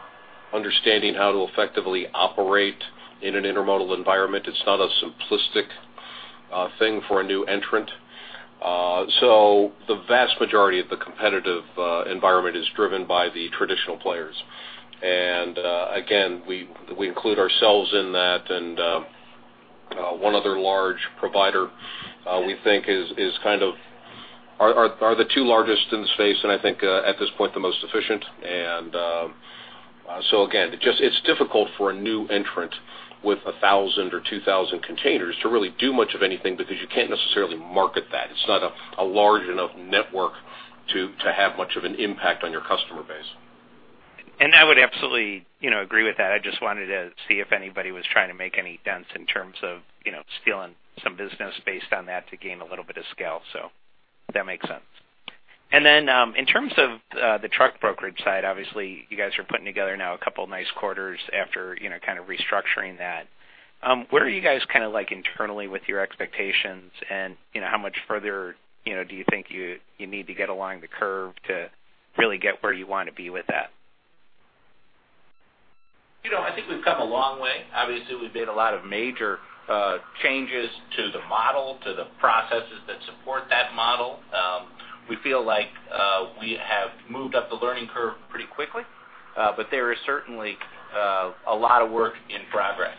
understanding how to effectively operate in an intermodal environment. It's not a simplistic thing for a new entrant. So the vast majority of the competitive environment is driven by the traditional players. And again, we include ourselves in that, and one other large provider we think is kind of the two largest in the space, and I think at this point the most efficient. And so again, just it's difficult for a new entrant with 1,000 or 2,000 containers to really do much of anything because you can't necessarily market that. It's not a large enough network to have much of an impact on your customer base. I would absolutely, you know, agree with that. I just wanted to see if anybody was trying to make any dents in terms of, you know, stealing some business based on that to gain a little bit of scale. So that makes sense. And then, in terms of, the truck brokerage side, obviously you guys are putting together now a couple of nice quarters after, you know, kind of restructuring that. What are you guys kind of like internally with your expectations? And, you know, how much further, you know, do you think you, you need to get along the curve to really get where you want to be with that? You know, I think we've come a long way. Obviously, we've made a lot of major, changes to the model, to the processes that support that model. We feel like, we have moved up the learning curve pretty quickly, but there is certainly, a lot of work in progress.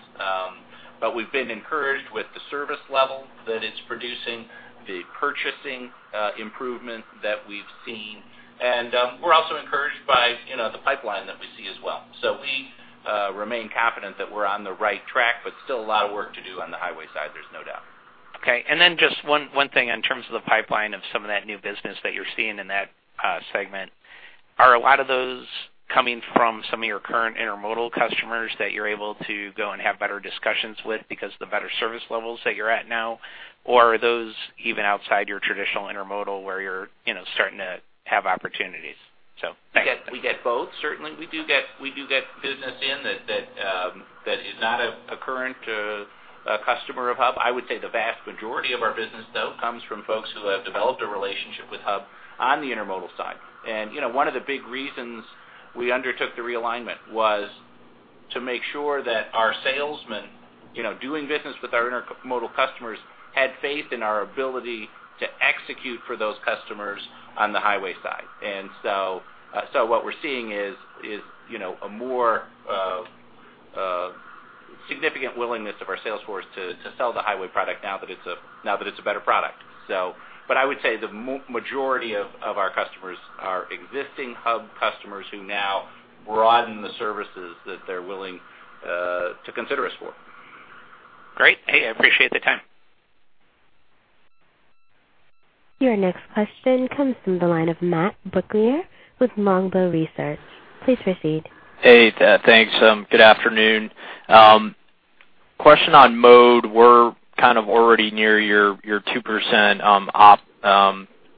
But we've been encouraged with the service level that it's producing, the purchasing, improvement that we've seen. And, we're also encouraged by, you know, the pipeline that we see as well. So we, remain confident that we're on the right track, but still a lot of work to do on the highway side, there's no doubt. Okay. And then just one, one thing in terms of the pipeline of some of that new business that you're seeing in that segment. Are a lot of those coming from some of your current intermodal customers that you're able to go and have better discussions with because of the better service levels that you're at now? Or are those even outside your traditional intermodal, where you're, you know, starting to have opportunities? So thank you. We get both. Certainly, we do get business in that is not a current customer of Hub. I would say the vast majority of our business, though, comes from folks who have developed a relationship with Hub on the intermodal side. And, you know, one of the big reasons we undertook the realignment was to make sure that our salesmen, you know, doing business with our intermodal customers, had faith in our ability to execute for those customers on the highway side. And so, so what we're seeing is, you know, a more significant willingness of our sales force to sell the highway product now that it's a better product. I would say the majority of our customers are existing Hub customers who now broaden the services that they're willing to consider us for. Great. Hey, I appreciate the time. Your next question comes from the line of Matt Brooklier with Longbow Research. Please proceed. Hey, thanks. Good afternoon. Question on Mode. We're kind of already near your, your 2% op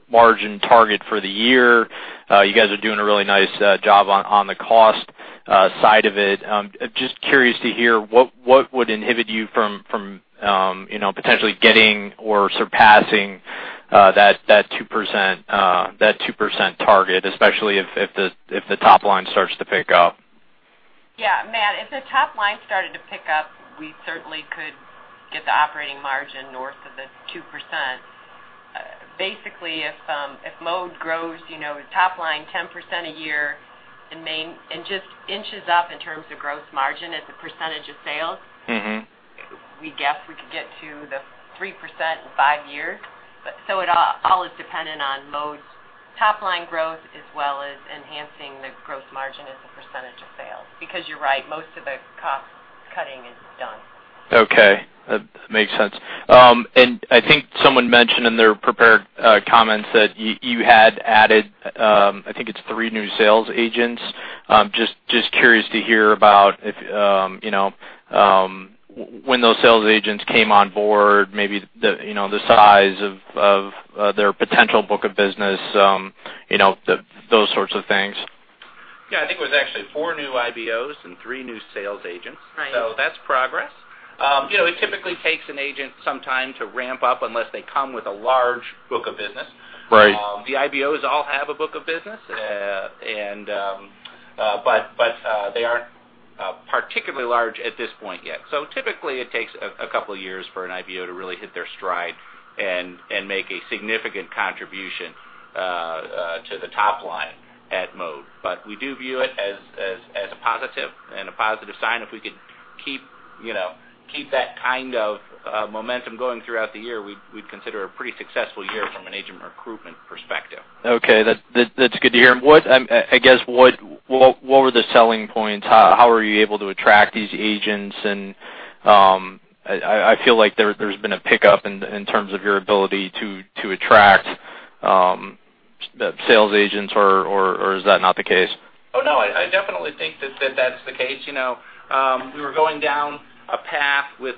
margin target for the year. You guys are doing a really nice job on the cost side of it. Just curious to hear, what, what would inhibit you from, from, you know, potentially getting or surpassing that, that 2%, that 2% target, especially if, if the, if the top line starts to pick up? Yeah, Matt, if the top line started to pick up, we certainly could get the operating margin north of the 2%. Basically, if if Mode grows, you know, top line 10% a year and main- and just inches up in terms of gross margin as a percentage of sales- Mm-hmm. We guess we could get to the 3% in five years. But so it all, all is dependent on Mode's top-line growth, as well as enhancing the gross margin as a percentage of sales. Because you're right, most of the cost cutting is done. Okay, that makes sense. I think someone mentioned in their prepared comments that you had added, I think it's three new sales agents. Just curious to hear about if, you know, when those sales agents came on board, maybe the, you know, the size of their potential book of business, you know, those sorts of things. Yeah, I think it was actually four new IBOs and three new sales agents. Right. So that's progress. You know, it typically takes an agent some time to ramp up unless they come with a large book of business. Right. The IBOs all have a book of business. But they aren't particularly large at this point yet. So typically, it takes a couple of years for an IBO to really hit their stride and make a significant contribution to the top line at Mode. But we do view it as a positive and a positive sign. If we could keep, you know, keep that kind of momentum going throughout the year, we'd consider it a pretty successful year from an agent recruitment perspective. Okay, that's good to hear. And what, I guess, what were the selling points? How were you able to attract these agents? And, I feel like there's been a pickup in terms of your ability to attract the sales agents, or is that not the case? Oh, no, I definitely think that that's the case. You know, we were going down a path with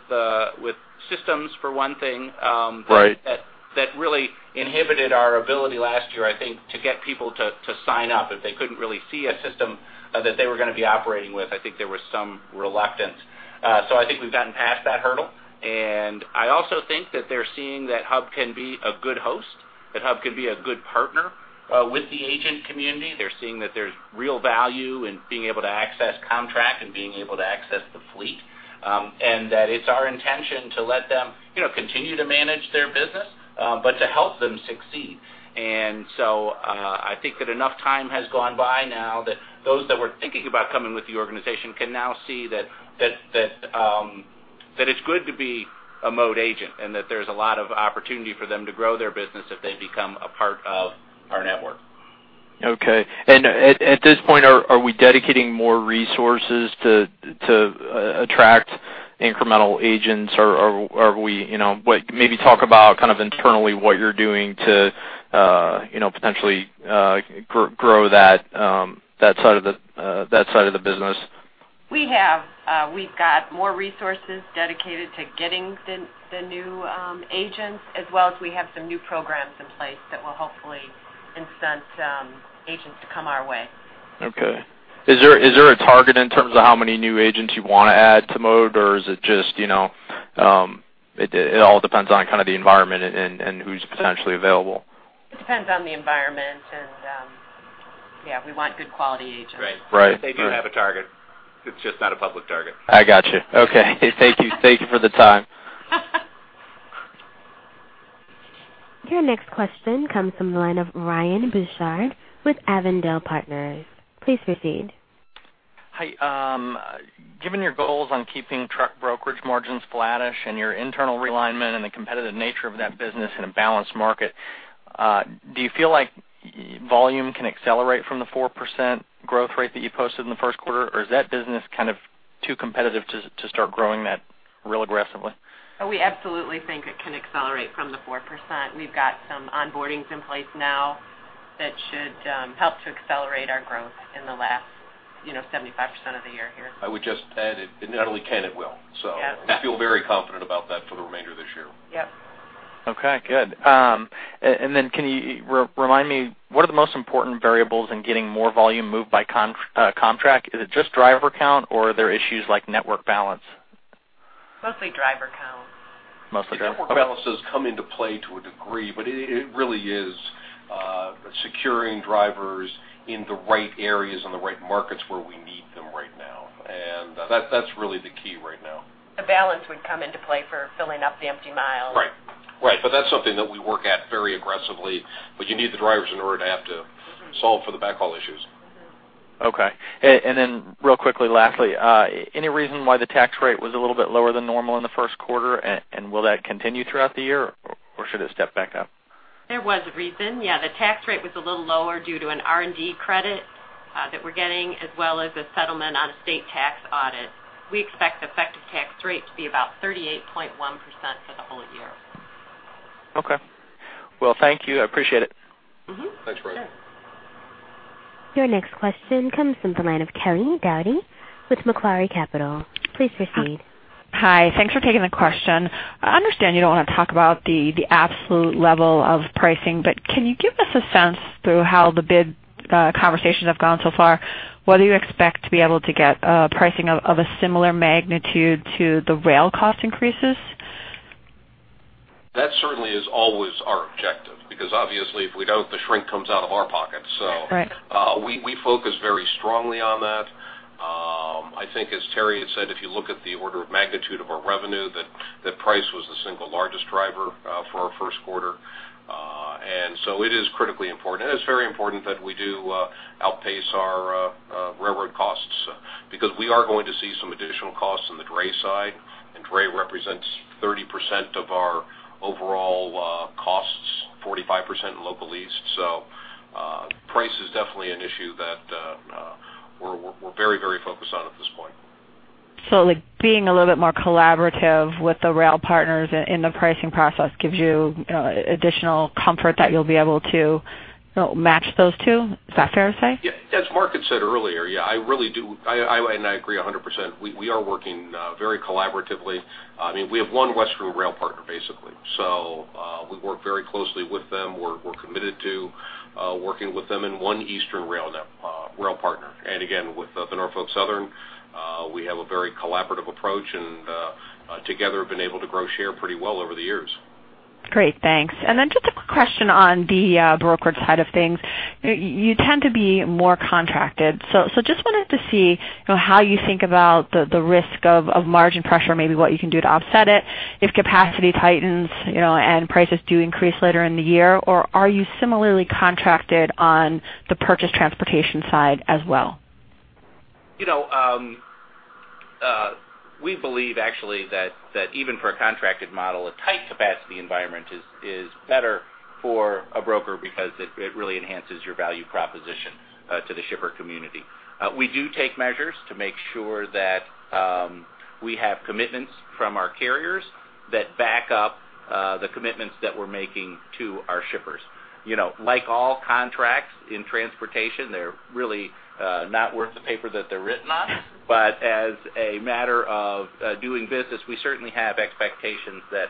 systems for one thing, Right That, that really inhibited our ability last year, I think, to get people to sign up. If they couldn't really see a system that they were going to be operating with, I think there was some reluctance. So I think we've gotten past that hurdle, and I also think that they're seeing that Hub can be a good host, that Hub can be a good partner with the agent community. They're seeing that there's real value in being able to access Comtrak and being able to access the fleet. And that it's our intention to let them, you know, continue to manage their business, but to help them succeed. And so, I think that enough time has gone by now that those that were thinking about coming with the organization can now see that it's good to be a Mode agent, and that there's a lot of opportunity for them to grow their business if they become a part of our network. Okay. And at this point, are we dedicating more resources to attract incremental agents, or are we, you know... Maybe talk about kind of internally what you're doing to, you know, potentially grow that side of the business. We have, we've got more resources dedicated to getting the new agents, as well as we have some new programs in place that will hopefully incent agents to come our way. Okay. Is there a target in terms of how many new agents you want to add to Mode? Or is it just, you know, it all depends on kind of the environment and who's potentially available? It depends on the environment, and, yeah, we want good quality agents. Right. Right. We do have a target. It's just not a public target. I got you. Okay. Thank you. Thank you for the time. Your next question comes from the line of Ryan Bouchard with Avondale Partners. Please proceed. Hi. Given your goals on keeping truck brokerage margins flattish and your internal realignment and the competitive nature of that business in a balanced market, do you feel like volume can accelerate from the 4% growth rate that you posted in the first quarter, or is that business kind of too competitive to, to start growing that real aggressively? Oh, we absolutely think it can accelerate from the 4%. We've got some onboardings in place now that should help to accelerate our growth in the last, you know, 75% of the year here. I would just add, it not only can, it will. Yeah. I feel very confident about that for the remainder of this year. Yep. Okay, good. And then can you remind me, what are the most important variables in getting more volume moved by Comtrak? Is it just driver count, or are there issues like network balance? Mostly driver count. Mostly driver- The network balance does come into play to a degree, but it, it really is securing drivers in the right areas and the right markets where we need them right now. And that, that's really the key right now. The balance would come into play for filling up the empty miles. Right. Right, but that's something that we work at very aggressively, but you need the drivers in order to have to solve for the backhaul issues. Mm-hmm. Okay. And then real quickly, lastly, any reason why the tax rate was a little bit lower than normal in the first quarter? And will that continue throughout the year, or should it step back up? There was a reason. Yeah, the tax rate was a little lower due to an R&D credit that we're getting, as well as a settlement on a state tax audit. We expect effective tax rate to be about 38.1% for the whole year. Okay. Well, thank you. I appreciate it. Mm-hmm. Thanks, Ryan. Sure. Your next question comes from the line of Kelly Dougherty with Macquarie Capital. Please proceed. Hi. Thanks for taking the question. I understand you don't want to talk about the absolute level of pricing, but can you give us a sense through how the bid conversations have gone so far, whether you expect to be able to get pricing of a similar magnitude to the rail cost increases? That certainly is always our objective, because obviously, if we don't, the shrink comes out of our pocket. So- Right. We focus very strongly on that. I think as Terri had said, if you look at the order of magnitude of our revenue, that price was the single largest driver for our first quarter. And so it is critically important, and it's very important that we do outpace our railroad costs, because we are going to see some additional costs on the dray side, and dray represents 30% of our overall costs, 45% in Local East. Price is definitely an issue that we're very, very focused on at this point. So, like, being a little bit more collaborative with the rail partners in the pricing process gives you, you know, additional comfort that you'll be able to, you know, match those two? Is that fair to say? Yeah. As Mark had said earlier, yeah, I really do, and I agree 100%. We are working very collaboratively. I mean, we have one Western rail partner, basically. So, we work very closely with them. We're committed to working with them in one Eastern rail partner. And again, with the Norfolk Southern, we have a very collaborative approach, and together have been able to grow share pretty well over the years. Great, thanks. And then just a quick question on the brokerage side of things. You tend to be more contracted. So just wanted to see, you know, how you think about the risk of margin pressure, maybe what you can do to offset it, if capacity tightens, you know, and prices do increase later in the year, or are you similarly contracted on the purchased transportation side as well? You know, we believe actually that even for a contracted model, a tight capacity environment is better for a broker because it really enhances your value proposition to the shipper community. We do take measures to make sure that we have commitments from our carriers that back up the commitments that we're making to our shippers. You know, like all contracts in transportation, they're really not worth the paper that they're written on. But as a matter of doing business, we certainly have expectations that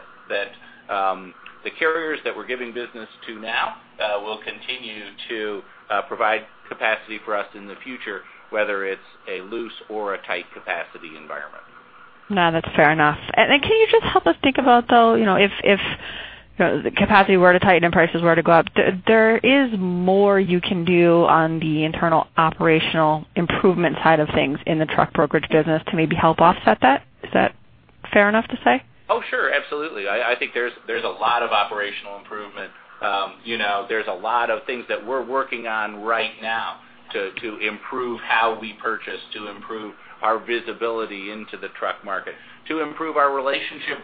the carriers that we're giving business to now will continue to provide capacity for us in the future, whether it's a loose or a tight capacity environment. No, that's fair enough. Can you just help us think about, though, you know, if you know, the capacity were to tighten and prices were to go up, there is more you can do on the internal operational improvement side of things in the truck brokerage business to maybe help offset that? Is that fair enough to say? Oh, sure, absolutely. I think there's a lot of operational improvement. You know, there's a lot of things that we're working on right now to improve how we purchase, to improve our visibility into the truck market, to improve our relationship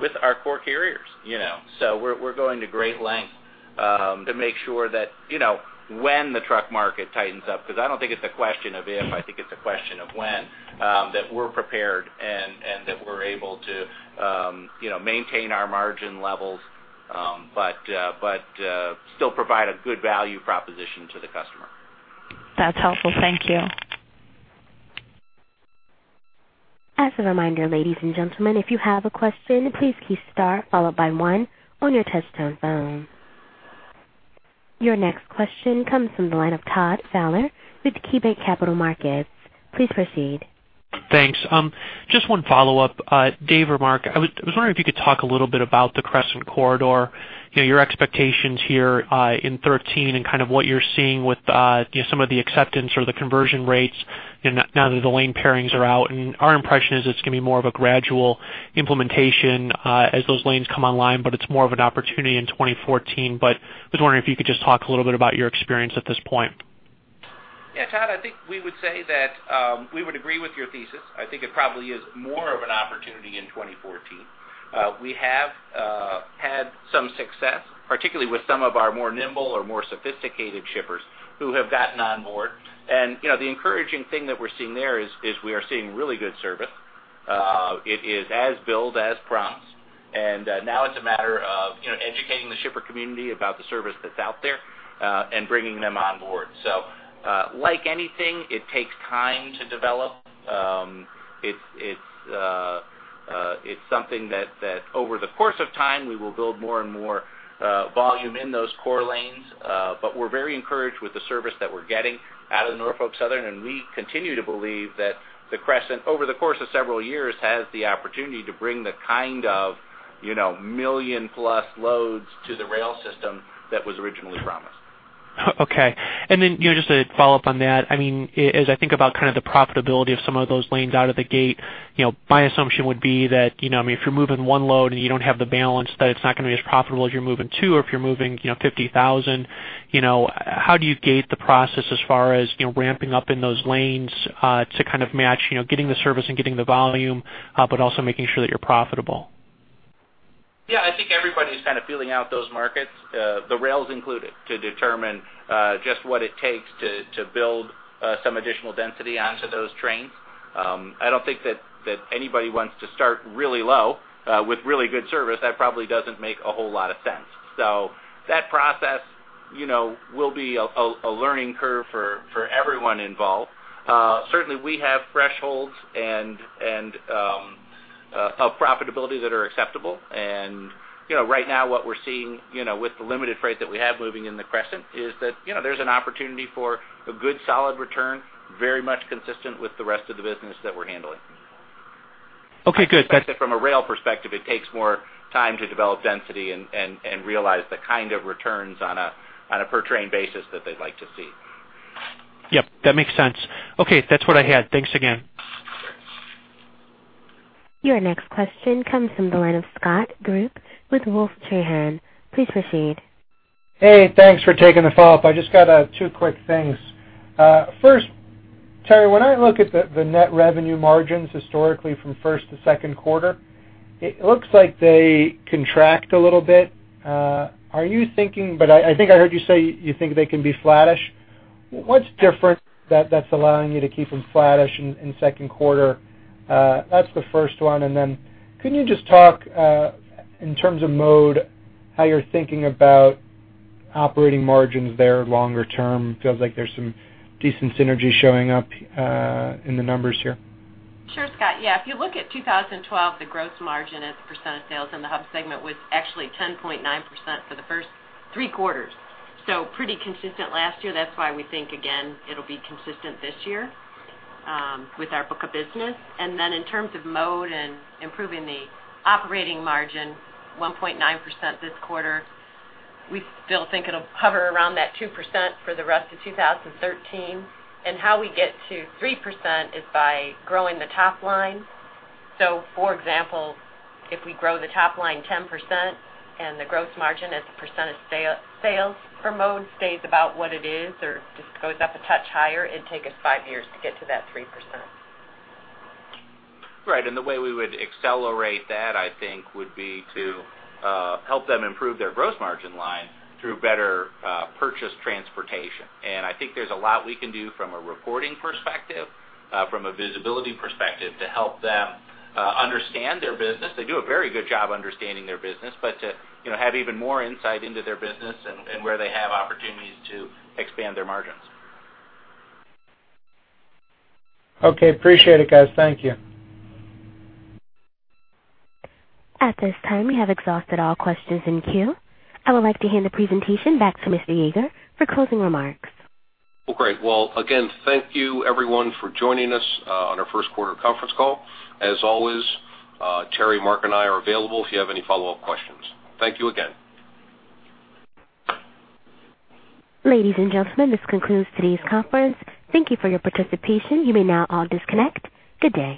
with our core carriers, you know. So we're going to great lengths to make sure that, you know, when the truck market tightens up, because I don't think it's a question of if, I think it's a question of when, that we're prepared and that we're able to, you know, maintain our margin levels, but still provide a good value proposition to the customer. That's helpful. Thank you. As a reminder, ladies and gentlemen, if you have a question, please key star, followed by one on your touchtone phone. Your next question comes from the line of Todd Fowler with KeyBanc Capital Markets. Please proceed. Thanks. Just one follow-up. Dave or Mark, I was wondering if you could talk a little bit about the Crescent Corridor, you know, your expectations here in 2013, and kind of what you're seeing with, you know, some of the acceptance or the conversion rates, you know, now that the lane pairings are out. And our impression is it's going to be more of a gradual implementation as those lanes come online, but it's more of an opportunity in 2014. But I was wondering if you could just talk a little bit about your experience at this point. Yeah, Todd, I think we would say that, we would agree with your thesis. I think it probably is more of an opportunity in 2014. We have had some success, particularly with some of our more nimble or more sophisticated shippers who have gotten on board. And, you know, the encouraging thing that we're seeing there is we are seeing really good service. It is as billed, as promised, and now it's a matter of, you know, educating the shipper community about the service that's out there and bringing them on board. So, like anything, it takes time to develop. It's something that over the course of time, we will build more and more volume in those core lanes. But we're very encouraged with the service that we're getting out of the Norfolk Southern, and we continue to believe that the Crescent, over the course of several years, has the opportunity to bring the kind of, you know, 1 million-plus loads to the rail system that was originally promised. Okay. And then, you know, just to follow up on that, I mean, as I think about kind of the profitability of some of those lanes out of the gate, you know, my assumption would be that, you know, I mean, if you're moving 1 load and you don't have the balance, that it's not going to be as profitable as you're moving 2 or if you're moving, you know, 50,000, you know. How do you gauge the process as far as, you know, ramping up in those lanes, to kind of match, you know, getting the service and getting the volume, but also making sure that you're profitable? Yeah, I think everybody's kind of feeling out those markets, the rails included, to determine just what it takes to build some additional density onto those trains. I don't think that anybody wants to start really low with really good service. That probably doesn't make a whole lot of sense. So that process, you know, will be a learning curve for everyone involved. Certainly, we have thresholds and of profitability that are acceptable. And you know, right now, what we're seeing, you know, with the limited freight that we have moving in the Crescent is that, you know, there's an opportunity for a good, solid return, very much consistent with the rest of the business that we're handling. Okay, good. But from a rail perspective, it takes more time to develop density and realize the kind of returns on a per train basis that they'd like to see. Yep, that makes sense. Okay, that's what I had. Thanks again. Your next question comes from the line of Scott Group with Wolfe Trahan. Please proceed. Hey, thanks for taking the follow-up. I just got two quick things. First, Terri, when I look at the net revenue margins historically from first to second quarter, it looks like they contract a little bit. Are you thinking—but I think I heard you say you think they can be flattish. What's different that's allowing you to keep them flattish in second quarter? That's the first one. And then can you just talk in terms of mode, how you're thinking about operating margins there longer term? Feels like there's some decent synergy showing up in the numbers here. Sure, Scott. Yeah, if you look at 2012, the gross margin as a percent of sales in the Hub segment was actually 10.9% for the first three quarters. So pretty consistent last year. That's why we think, again, it'll be consistent this year with our book of business. And then in terms of Mode and improving the operating margin, 1.9% this quarter, we still think it'll hover around that 2% for the rest of 2013. And how we get to 3% is by growing the top line. So for example, if we grow the top line 10% and the gross margin as a percent of sales for Mode stays about what it is or just goes up a touch higher, it'd take us 5 years to get to that 3%. Right. And the way we would accelerate that, I think, would be to help them improve their gross margin line through better purchase transportation. And I think there's a lot we can do from a reporting perspective, from a visibility perspective, to help them understand their business. They do a very good job understanding their business, but to, you know, have even more insight into their business and where they have opportunities to expand their margins. Okay. Appreciate it, guys. Thank you. At this time, we have exhausted all questions in queue. I would like to hand the presentation back to Mr. Yeager for closing remarks. Well, great. Well, again, thank you everyone for joining us, on our first quarter conference call. As always, Terri, Mark, and I are available if you have any follow-up questions. Thank you again. Ladies and gentlemen, this concludes today's conference. Thank you for your participation. You may now all disconnect. Good day!